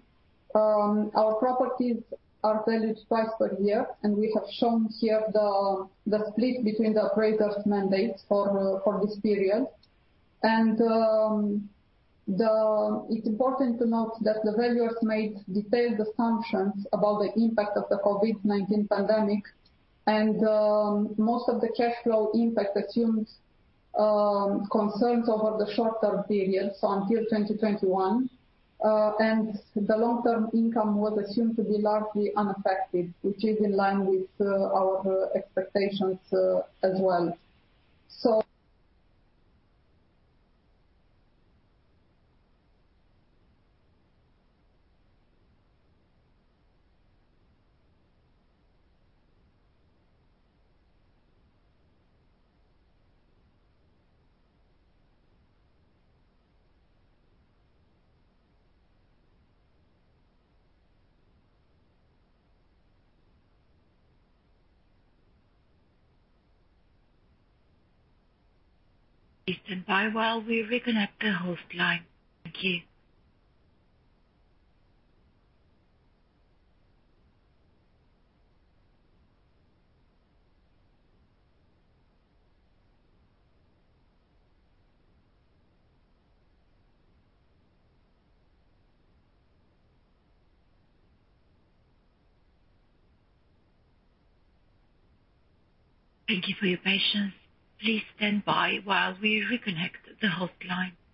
Our properties are valued twice per year. We have shown here the split between the appraisers' mandates for this period. It's important to note that the valuers made detailed assumptions about the impact of the COVID-19 pandemic, and most of the cash flow impact assumes concerns over the shorter period, so until 2021. The long-term income was assumed to be largely unaffected, which is in line with our expectations as well. Please stand by while we reconnect the host line. Thank you. Thank you for your patience. Please stand by while we reconnect the host line. Thank you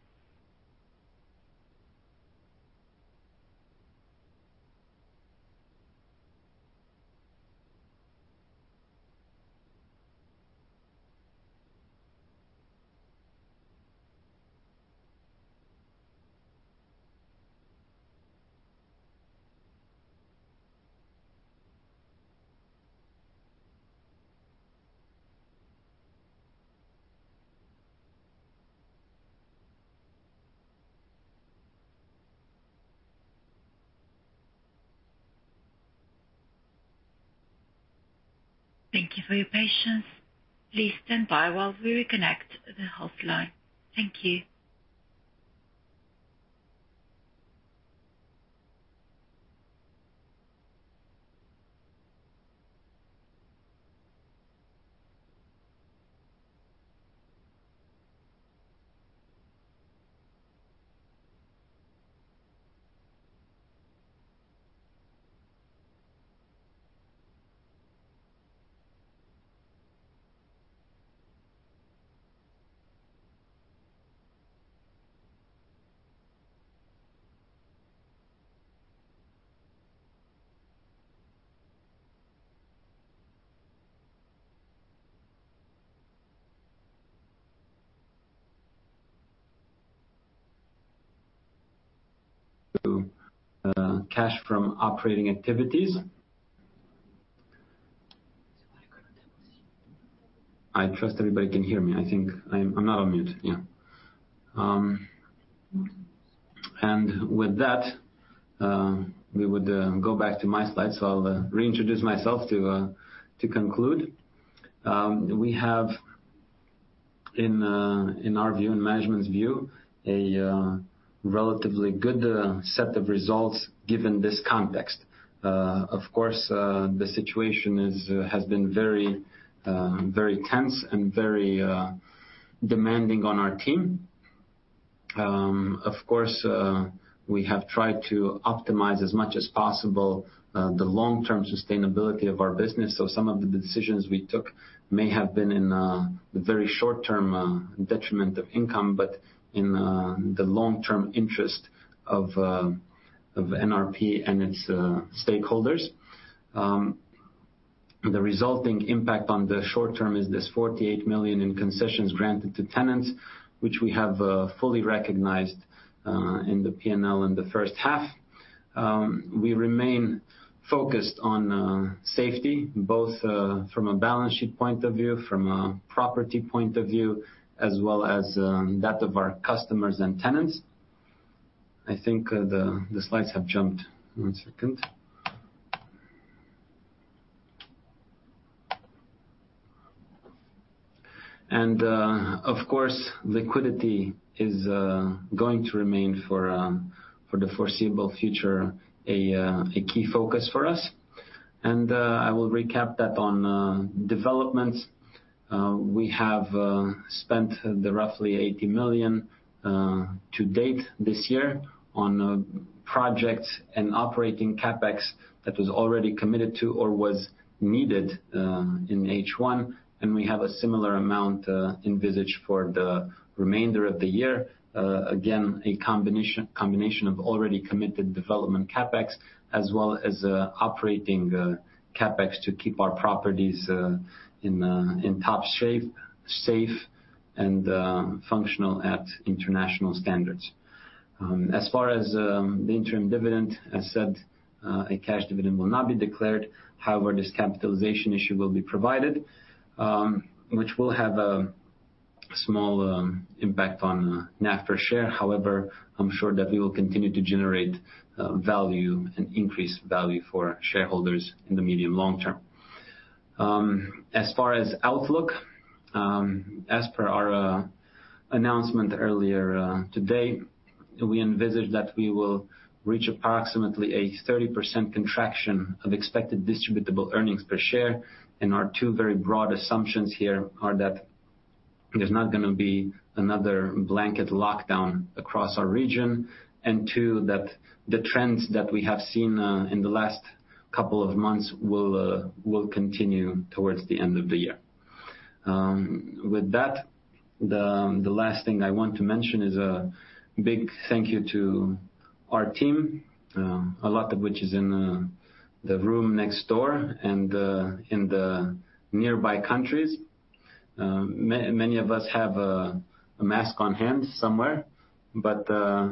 for your patience. Please stand by while we reconnect the host line. Thank you. To cash from operating activities. I trust everybody can hear me. I think I am not on mute. Yeah. With that, we would go back to my slides. I will reintroduce myself to conclude. We have, in our view, in management's view, a relatively good set of results given this context. Of course, the situation has been very tense and very demanding on our team. Of course, we have tried to optimize as much as possible the long-term sustainability of our business. Some of the decisions we took may have been in very short-term detriment of income, but in the long-term interest of NRP and its stakeholders. The resulting impact on the short term is this 48 million in concessions granted to tenants, which we have fully recognized in the P&L in the first half. We remain focused on safety, both from a balance sheet point of view, from a property point of view, as well as that of our customers and tenants. I think the slides have jumped. One second. Of course, liquidity is going to remain for the foreseeable future, a key focus for us. I will recap that on developments. We have spent roughly 80 million to date this year on projects and operating CapEx that was already committed to or was needed in H1, and we have a similar amount envisaged for the remainder of the year. Again, a combination of already committed development CapEx as well as operating CapEx to keep our properties in top shape, safe and functional at international standards. As far as the interim dividend, as said, a cash dividend will not be declared. However, this capitalization issue will be provided, which will have a small impact on NAV per share. However, I'm sure that we will continue to generate value and increase value for shareholders in the medium long term. As far as outlook, as per our announcement earlier today, we envisage that we will reach approximately a 30% contraction of expected distributable earnings per share. Our two very broad assumptions here are that there's not going to be another blanket lockdown across our region, and two, that the trends that we have seen in the last couple of months will continue towards the end of the year. With that, the last thing I want to mention is a big thank you to our team, a lot of which is in the room next door and in the nearby countries. Many of us have a mask on hand somewhere. I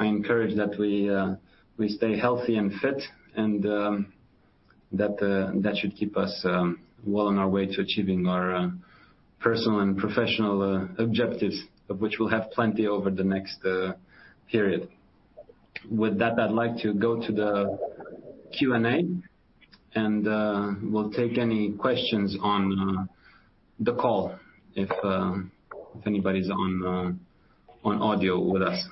encourage that we stay healthy and fit and that should keep us well on our way to achieving our personal and professional objectives, of which we'll have plenty over the next period. With that, I'd like to go to the Q&A, and we'll take any questions on the call if anybody's on audio with us.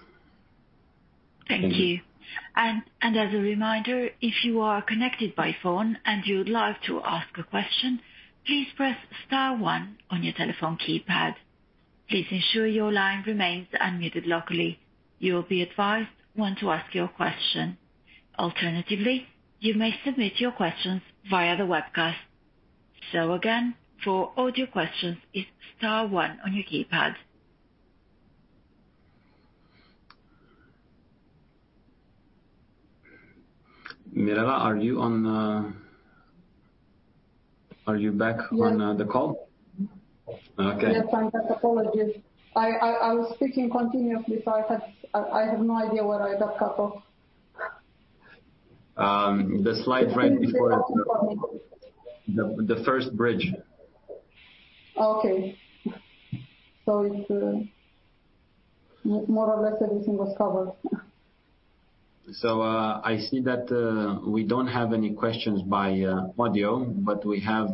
Thank you. As a reminder, if you are connected by phone and you'd like to ask a question, please press star one on your telephone keypad. Please ensure your line remains unmuted locally. You will be advised when to ask your question. Alternatively, you may submit your questions via the webcast. Again, for audio questions, it's star one on your keypad. Mirela, are you? Yes Are you back on the call? Okay. Yes, I'm back. Apologies. I was speaking continuously, so I have no idea where I got cut off. The slide right before the first bridge. Okay. More or less everything was covered. I see that we don't have any questions by audio, but we have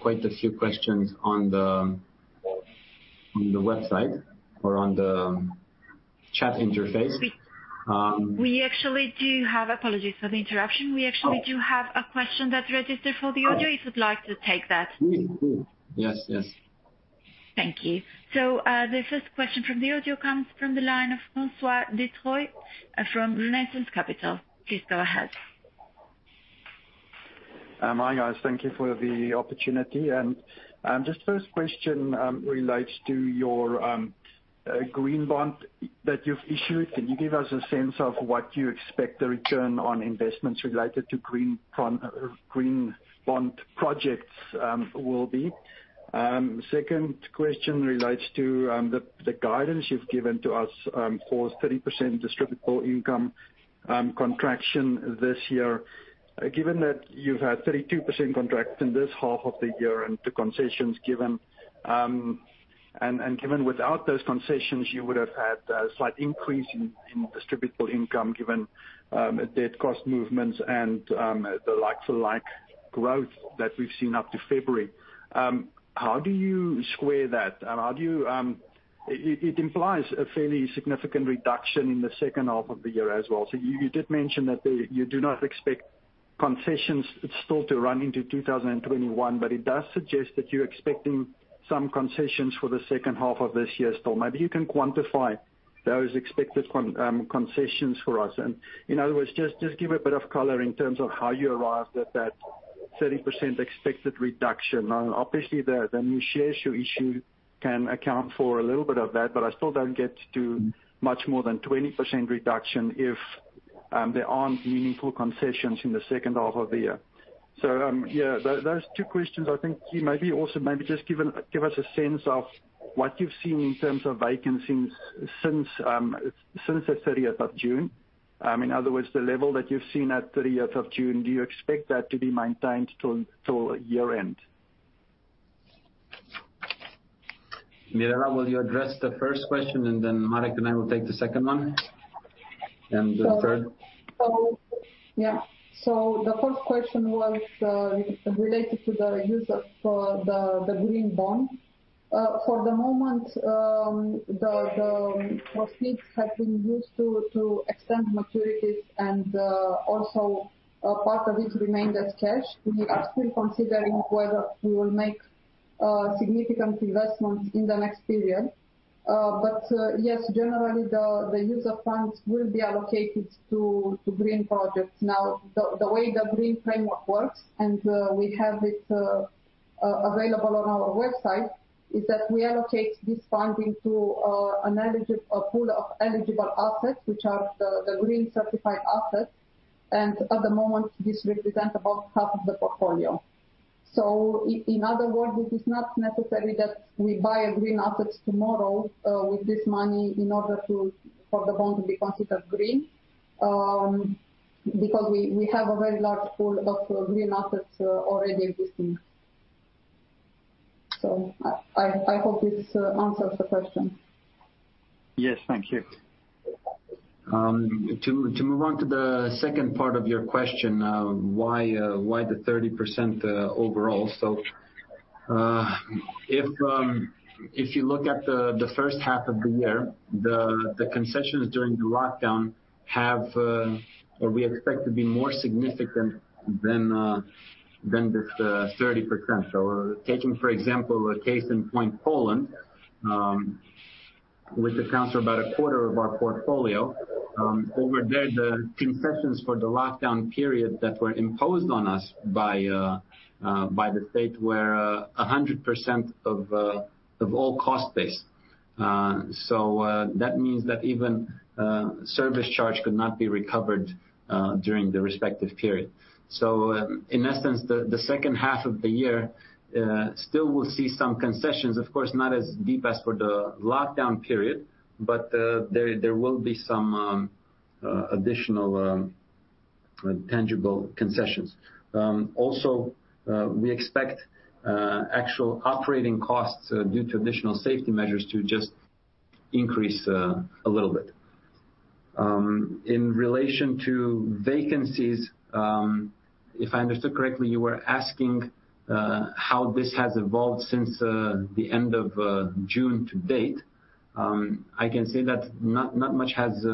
quite a few questions on the website or on the chat interface. Apologies for the interruption. We actually do have a question that's registered for the audio, if you'd like to take that. Yes. Thank you. The first question from the audio comes from the line of Francois du Toit from Renaissance Capital. Please go ahead. Hi, guys. Thank you for the opportunity. Just first question relates to your green bond that you've issued. Can you give us a sense of what you expect the return on investments related to green bond projects will be? Second question relates to the guidance you've given to us for 30% distributable earnings contraction this year. Given that you've had 32% contraction this half of the year, and the concessions given, and given without those concessions, you would've had a slight increase in distributable earnings, given debt cost movements and the like-for-like growth that we've seen up to February. How do you square that? It implies a fairly significant reduction in the second half of the year as well. You did mention that you do not expect concessions still to run into 2021, but it does suggest that you're expecting some concessions for the second half of this year still. Maybe you can quantify those expected concessions for us. In other words, just give a bit of color in terms of how you arrived at that 30% expected reduction. Obviously, the new share issue can account for a little bit of that, but I still don't get to much more than 20% reduction if there aren't meaningful concessions in the second half of the year. Yeah, those two questions. I think maybe also just give us a sense of what you've seen in terms of vacancies since the June 30th. In other words, the level that you've seen at June 30th, do you expect that to be maintained till year-end? Mirela, will you address the first question and then Marek and I will take the second one? The third. The first question was related to the use of the green bond. For the moment, the proceeds have been used to extend maturities and also part of it remained as cash. We are still considering whether we will make significant investments in the next period. Yes, generally, the use of funds will be allocated to green projects. The way the green framework works, and we have it available on our website, is that we allocate this funding to a pool of eligible assets, which are the green certified assets, and at the moment, this represents about half of the portfolio. In other words, it is not necessary that we buy a green assets tomorrow with this money in order for the bond to be considered green, because we have a very large pool of green assets already existing. I hope this answers the question. Yes. Thank you. To move on to the second part of your question, why the 30% overall? If you look at the first half of the year, the concessions during the lockdown we expect to be more significant than this 30%. Taking, for example, a case in point, Poland, which accounts for about a quarter of our portfolio. Over there, the concessions for the lockdown period that were imposed on us by the state were 100% of all cost base. That means that even service charge could not be recovered during the respective period. In essence, the second half of the year still will see some concessions, of course, not as deep as for the lockdown period, but there will be some additional tangible concessions. Also, we expect actual operating costs due to additional safety measures to just increase a little bit. In relation to vacancies, if I understood correctly, you were asking how this has evolved since the end of June to date. I can say that not much has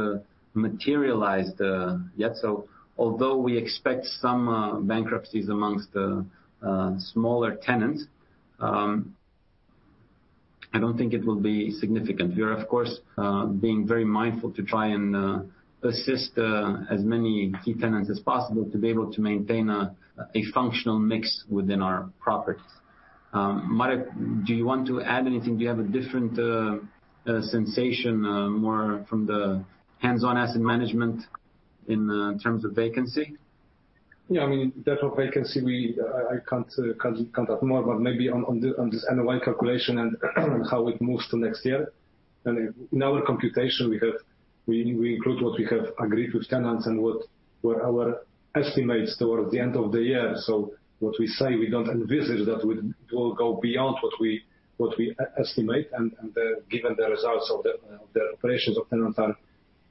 materialized yet. Although we expect some bankruptcies amongst the smaller tenants, I don't think it will be significant. We are, of course, being very mindful to try and assist as many key tenants as possible to be able to maintain a functional mix within our properties. Marek, do you want to add anything? Do you have a different sensation, more from the hands-on asset management in terms of vacancy? Yeah, in terms of vacancy, I can't talk more, but maybe on this NOI calculation and how it moves to next year. In our computation, we include what we have agreed with tenants and what our estimates toward the end of the year. What we say, we don't envisage that it will go beyond what we estimate, and given the results of the operations of tenants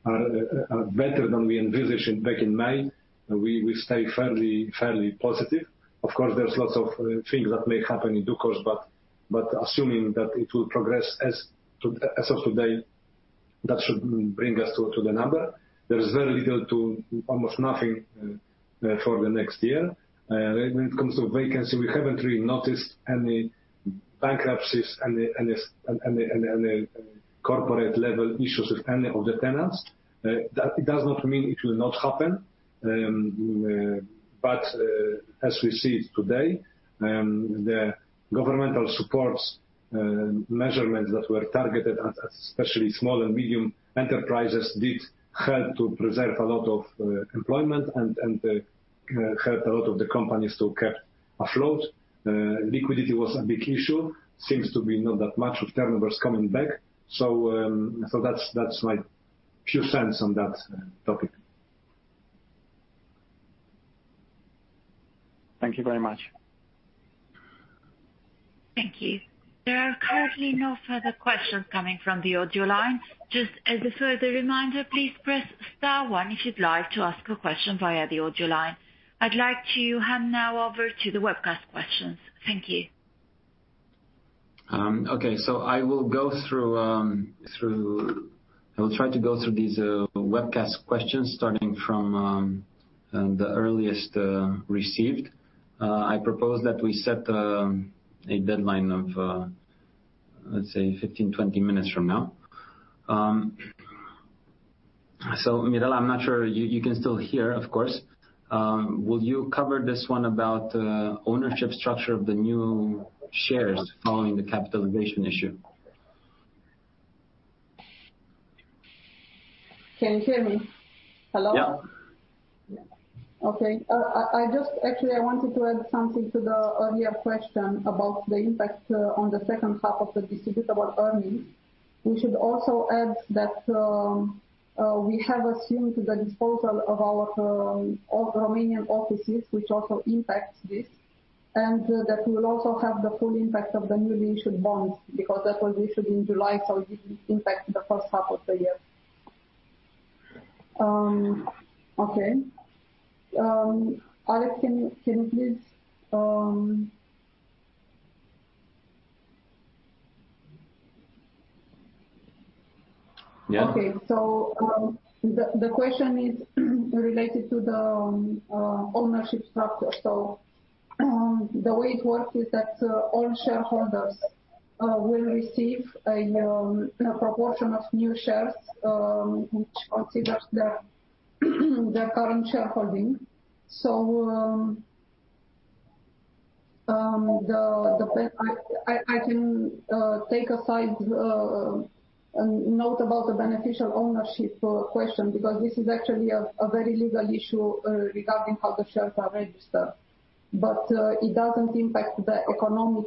are better than we envisaged back in May. We stay fairly positive. Of course, there's lots of things that may happen in due course, but assuming that it will progress as of today. That should bring us to the number. There is very little to almost nothing for the next year. When it comes to vacancy, we haven't really noticed any bankruptcies and the corporate level issues of any of the tenants. That does not mean it will not happen. As we see it today, the governmental supports measurements that were targeted at especially small and medium enterprises did help to preserve a lot of employment and helped a lot of the companies to keep afloat. Liquidity was a big issue. Seems to be not that much of turnovers coming back. That's my two cents on that topic. Thank you very much. Thank you. There are currently no further questions coming from the audio line. Just as a further reminder, please press star one if you'd like to ask a question via the audio line. I'd like to hand now over to the webcast questions. Thank you. Okay. I will try to go through these webcast questions starting from the earliest, received. I propose that we set a deadline of, let's say 15, 20 minutes from now. Mirela, I'm not sure you can still hear, of course. Will you cover this one about ownership structure of the new shares following the capitalization issue? Can you hear me? Hello? Yeah. Actually, I wanted to add something to the earlier question about the impact on the second half of the distributable earnings. We should also add that we have assumed the disposal of our Romanian offices, which also impacts this, and that we'll also have the full impact of the newly issued bonds because that was issued in July, so it didn't impact the first half of the year. Alex, can you please Yeah. The question is related to the ownership structure. The way it works is that all shareholders will receive a proportion of new shares, which considers their current shareholding. I can take a side note about the beneficial ownership question because this is actually a very legal issue regarding how the shares are registered. It doesn't impact the economic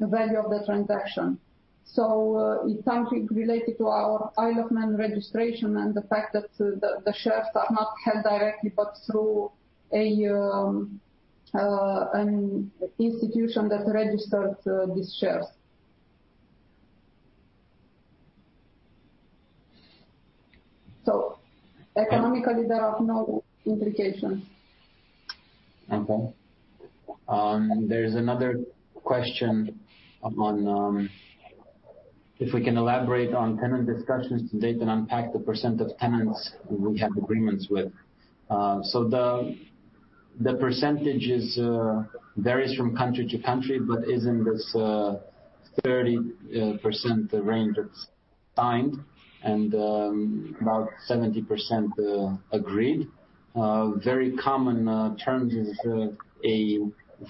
value of the transaction. It's something related to our Isle of Man registration and the fact that the shares are not held directly, but through an institution that registered these shares. Economically, there are no implications. There's another question on if we can elaborate on tenant discussions to date and unpack the percent of tenants who we have agreements with. The percentages varies from country to country, but is in this 30% range that's signed and about 70% agreed. Very common terms is a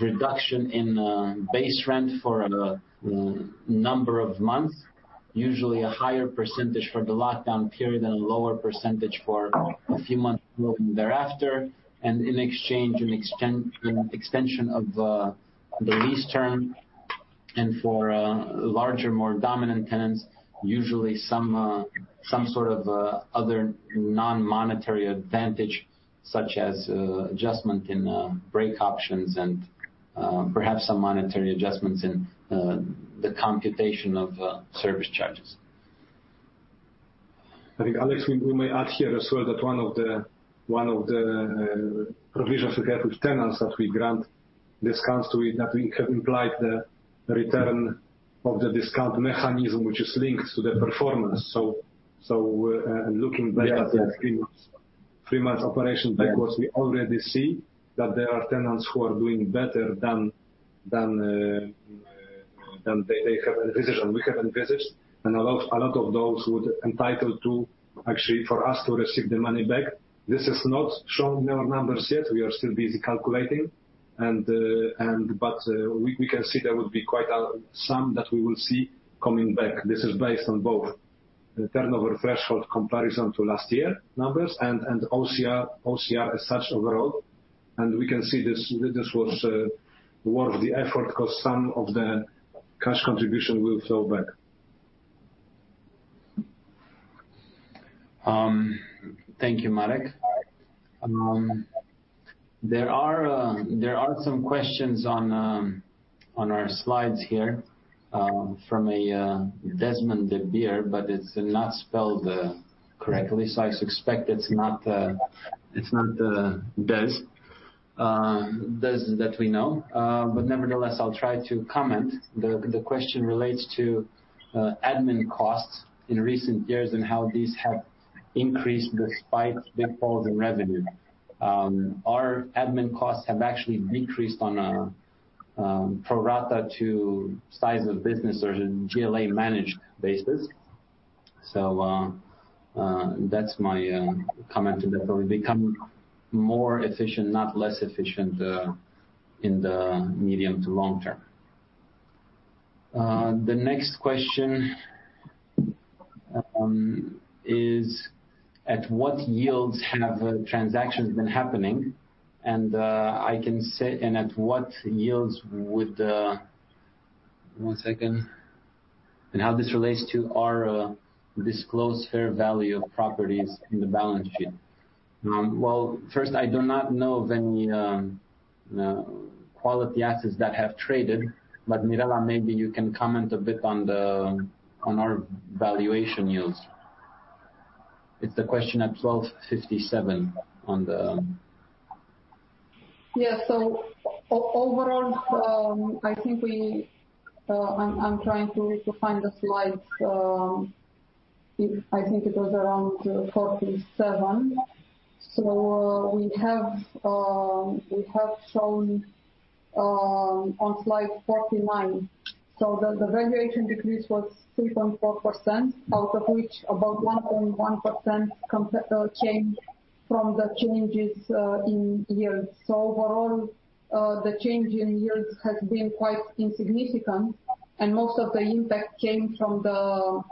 reduction in base rent for a number of months, usually a higher percentage for the lockdown period and a lower percentage for a few months moving thereafter. In exchange, an extension of the lease term and for larger, more dominant tenants, usually some sort of other non-monetary advantage, such as adjustment in break options and perhaps some monetary adjustments in the computation of service charges. I think, Alex, we may add here as well that one of the provisions we have with tenants that we grant discounts to it, that we have implied the return of the discount mechanism, which is linked to the performance. Looking back at the three months operation backwards, we already see that there are tenants who are doing better than they have envisaged than we have envisaged. A lot of those would entitle to actually for us to receive the money back. This is not shown in our numbers yet. We are still busy calculating. We can see there would be quite a sum that we will see coming back. This is based on both the turnover threshold comparison to last year numbers and OCR as such overall. We can see this was worth the effort because some of the cash contribution will flow back. Thank you, Marek. There are some questions on our slides here, from a Desmond de Beer, but it's not spelled correctly. I suspect it's not Des that we know. Nevertheless, I'll try to comment. The question relates to admin costs in recent years and how these have increased despite big falls in revenue. Our admin costs have actually decreased on a pro rata to size of business or a GLA-managed basis. That's my comment, and that will become more efficient, not less efficient, in the medium to long term. The next question is, At what yields have transactions been happening? I can say and at what yields would the, one second. And how this relates to our disclosed fair value of properties in the balance sheet. Well, first, I do not know of any quality assets that have traded, but Mirela, maybe you can comment a bit on our valuation yields. It's the question at 12:57 [on down]. Yeah. Overall, I'm trying to find the slide. I think it was around 47. We have shown on slide 49. The valuation decrease was 3.4%, out of which about 1.1% came from the changes in yields. Overall, the change in yields has been quite insignificant. Most of the impact came from the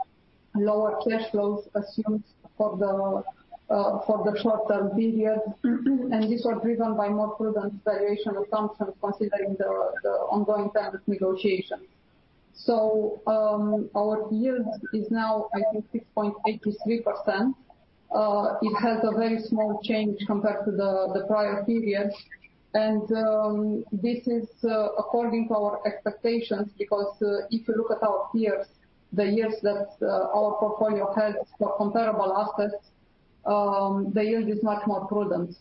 lower cash flows assumed for the short-term period. These were driven by more prudent valuation assumptions considering the ongoing tenant negotiations. Our yield is now, I think, 6.83%. It has a very small change compared to the prior period. This is according to our expectations because if you look at our peers, the yields that our portfolio has for comparable assets, the yield is much more prudent.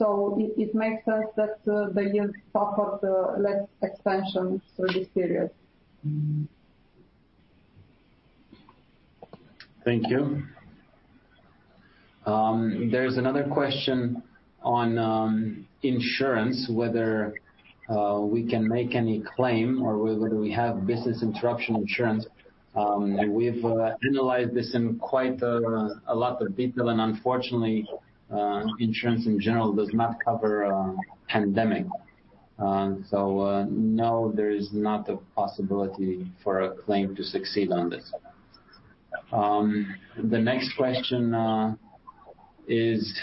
It makes sense that the yield suffered less expansion through this period. Thank you. There's another question on insurance, whether we can make any claim or whether we have business interruption insurance. We've analyzed this in quite a lot of detail, and unfortunately, insurance in general does not cover a pandemic. No, there is not a possibility for a claim to succeed on this. The next question is,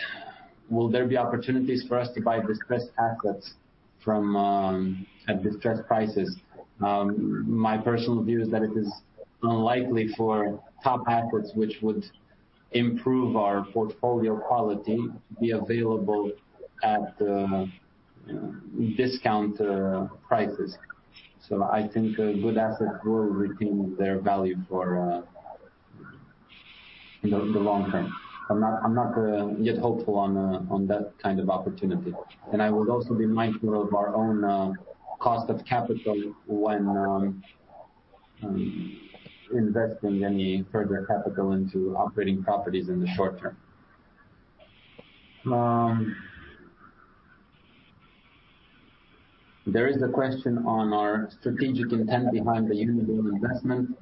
will there be opportunities for us to buy distressed assets at distressed prices? My personal view is that it is unlikely for top assets, which would improve our portfolio quality, to be available at discount prices. I think good assets will retain their value for the long term. I'm not yet hopeful on that kind of opportunity. I would also be mindful of our own cost of capital when investing any further capital into operating properties in the short term. There is a question on our strategic intent behind the Unibail investment.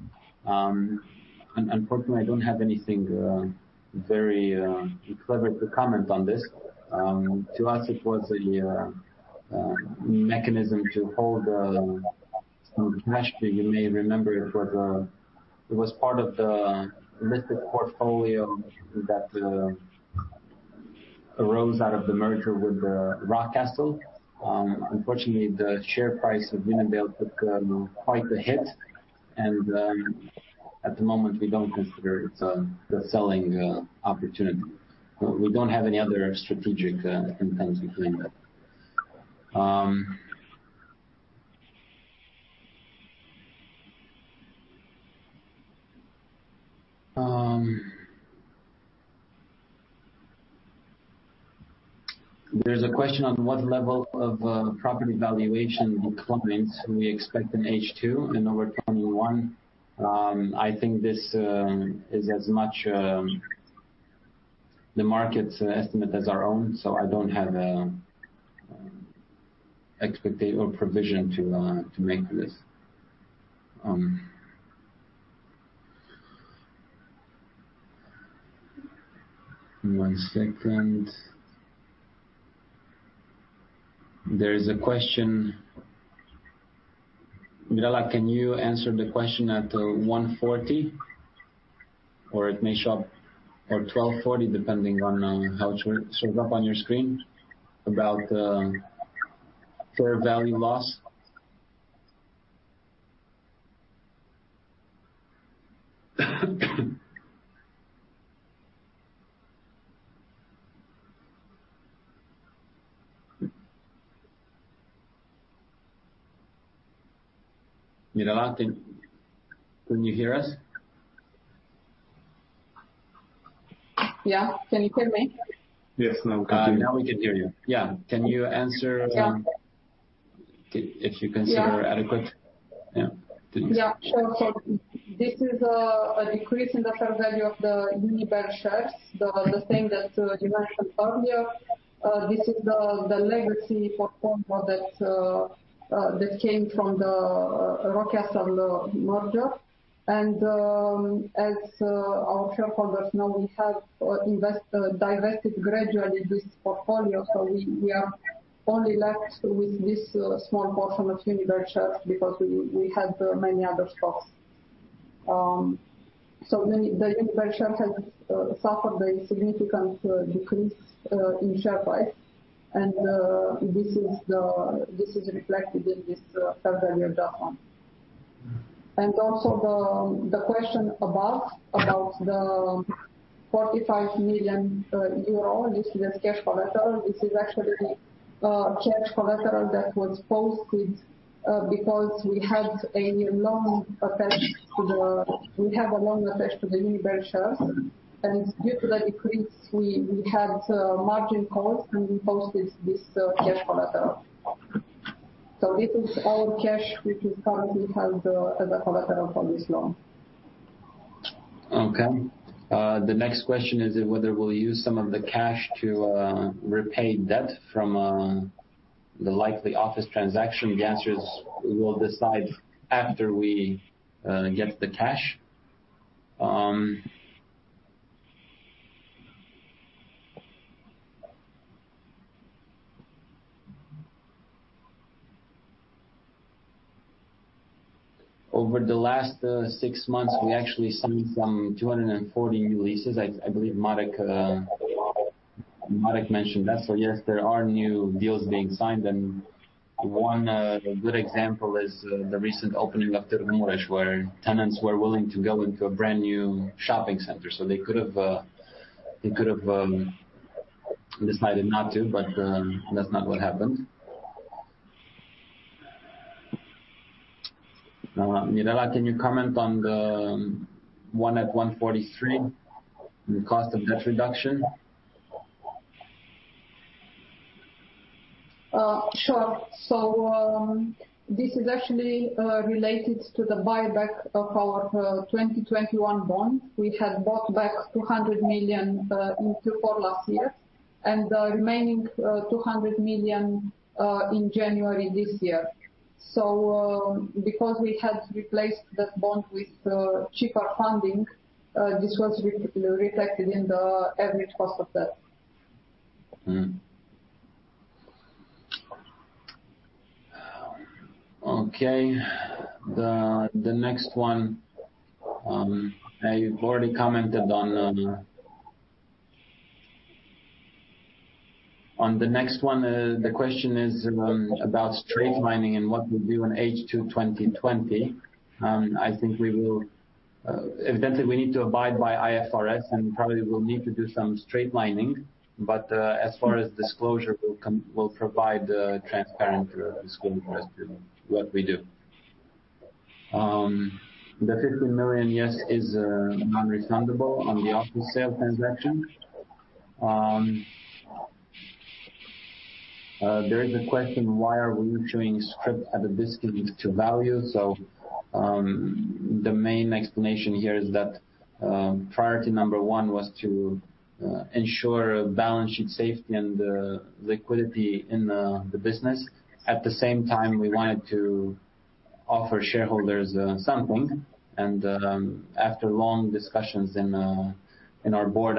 Unfortunately, I don't have anything very clever to comment on this. To us, it was a mechanism to hold some cash. You may remember it was part of the listed portfolio that arose out of the merger with Rockcastle. Unfortunately, the share price of Unibail took quite a hit, and at the moment, we don't consider it a selling opportunity. We don't have any other strategic intents behind that. There's a question on what level of property valuation declines we expect in H2 and over 2021. I think this is as much the market's estimate as our own, so I don't have a expectation or provision to make this. One second. There is a question. Mirela, can you answer the question at 1:40? It may show up at 12:40, depending on how it shows up on your screen, about fair value loss. Mirela, can you hear us? Yeah. Can you hear me? Yes, now we can hear you. Yeah. Yeah If you consider adequate? Yeah. Please. Yeah, sure. This is a decrease in the fair value of the Unibail shares, the thing that you mentioned earlier. This is the legacy portfolio that came from the Rockcastle merger. As our shareholders know, we have divested gradually this portfolio. We are only left with this small portion of Unibail shares because we had many other stocks. The Unibail shares have suffered a significant decrease in share price, and this is reflected in this fair value decline. Also the question about the 45 million euro, this is a cash collateral. This is actually cash collateral that was posted because we have a loan attached to the Unibail shares. Due to the decrease, we had a margin call, and we posted this cash collateral. This is our cash, which is currently held as a collateral for this loan. The next question is whether we'll use some of the cash to repay debt from the likely office transaction. The answer is, we will decide after we get the cash. Over the last six months, we actually signed some 240 new leases. I believe Marek mentioned that. Yes, there are new deals being signed, and one good example is the recent opening of Trmice, where tenants were willing to go into a brand-new shopping center. They could have decided not to, but that's not what happened. Mirela, can you comment on the one at 143, the cost of debt reduction? Sure. This is actually related to the buyback of our 2021 bond. We had bought back 200 million in Q4 last year, and the remaining 200 million in January this year. Because we had replaced that bond with cheaper funding, this was reflected in the average cost of debt. Okay. The next one, you've already commented on. On the next one, the question is about straight-lining and what we'll do in H2 2020. I think we will, evidently, we need to abide by IFRS, and probably we'll need to do some straight-lining. As far as disclosure, we'll provide a transparent disclosure as to what we do. The 15 million, yes, is non-refundable on the office sale transaction. There is a question, why are we showing scrip at a discount to value? The main explanation here is that priority number one was to ensure balance sheet safety and liquidity in the business. At the same time, we wanted to offer shareholders something, and after long discussions in our board,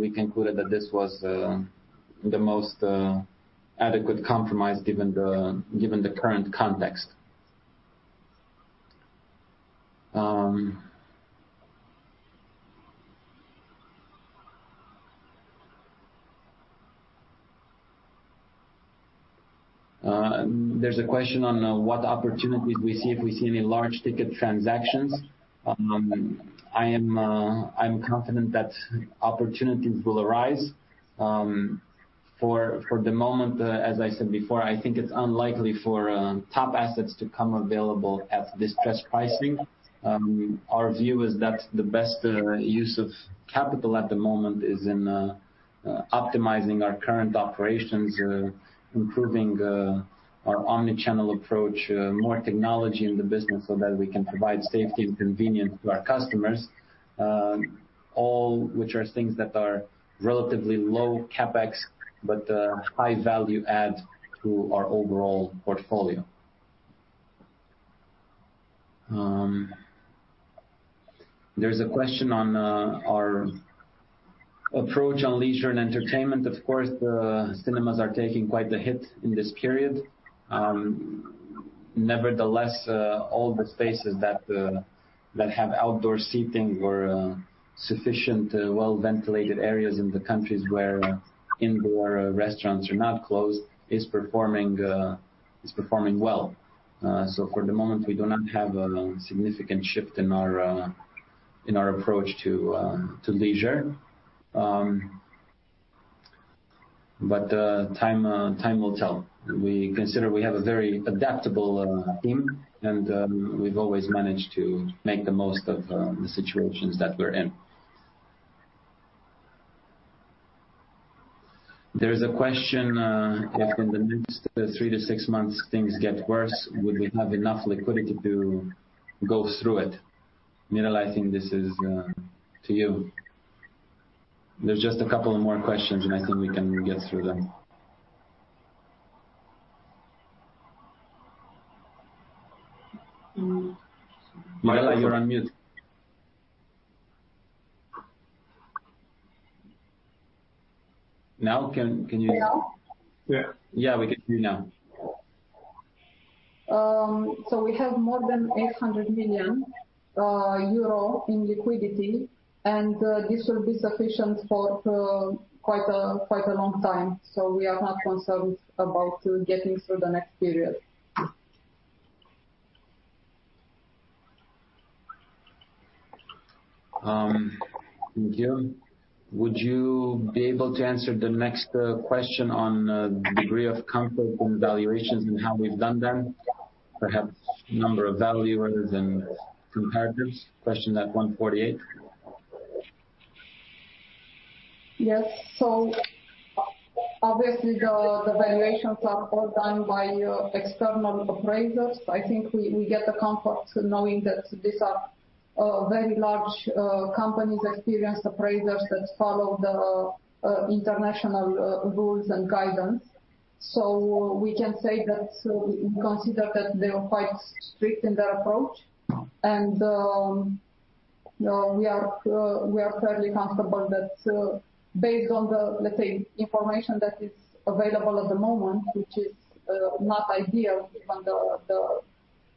we concluded that this was the most adequate compromise given the current context. There's a question on what opportunities we see, if we see any large ticket transactions. I'm confident that opportunities will arise. For the moment, as I said before, I think it's unlikely for top assets to come available at distressed pricing. Our view is that the best use of capital at the moment is in optimizing our current operations, improving our omni-channel approach, more technology in the business so that we can provide safety and convenience to our customers. All which are things that are relatively low CapEx, but high value add to our overall portfolio. There's a question on our approach on leisure and entertainment. Of course, cinemas are taking quite the hit in this period. Nevertheless, all the spaces that have outdoor seating or sufficient, well-ventilated areas in the countries where indoor restaurants are not closed, is performing well. For the moment, we do not have a significant shift in our approach to leisure. But time will tell. We consider we have a very adaptable team, and we've always managed to make the most of the situations that we're in. There is a question, if in the next three to six months things get worse, would we have enough liquidity to go through it? Mirela, I think this is to you. There's just a couple of more questions, and I think we can get through them. Mirela, you're on mute. Now can you- Now? Yeah. Yeah, we can hear you now. We have more than 800 million euro in liquidity, and this will be sufficient for quite a long time. We are not concerned about getting through the next period. Thank you. Would you be able to answer the next question on degree of comfort in valuations and how we've done them? Perhaps number of valuers and comparatives. Yes. Obviously, the valuations are all done by external appraisers. I think we get the comfort knowing that these are very large companies, experienced appraisers that follow the international rules and guidance. We can say that we consider that they are quite strict in their approach. We are fairly comfortable that based on the, let's say, information that is available at the moment,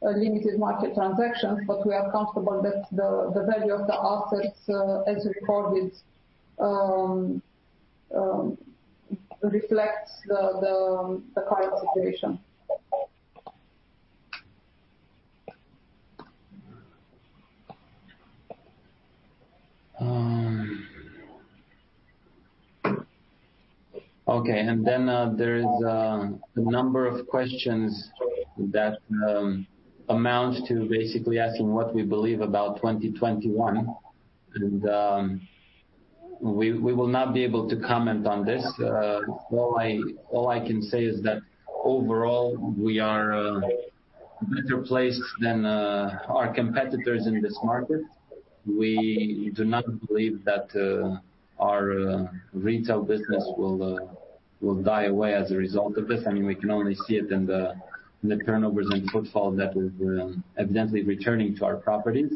which is not ideal given the limited market transactions, but we are comfortable that the value of the assets as recorded reflects the current situation. Okay. Then there is a number of questions that amount to basically asking what we believe about 2021. We will not be able to comment on this. All I can say is that overall, we are better placed than our competitors in this market. We do not believe that our retail business will die away as a result of this. We can only see it in the turnovers and footfall that is evidently returning to our properties.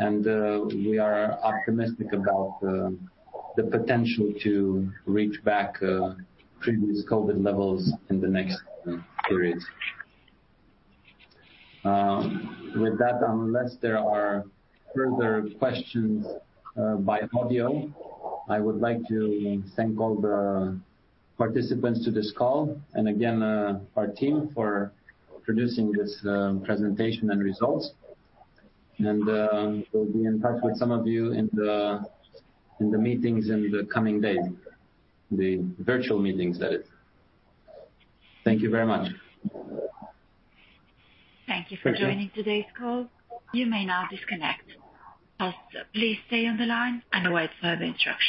We are optimistic about the potential to reach back previous COVID-19 levels in the next periods. With that, unless there are further questions by audio, I would like to thank all the participants to this call. Again, our team for producing this presentation and results. We'll be in touch with some of you in the meetings in the coming days, the virtual meetings, that is. Thank you very much. Thank you for joining today's call. You may now disconnect. Also, please stay on the line and await further instructions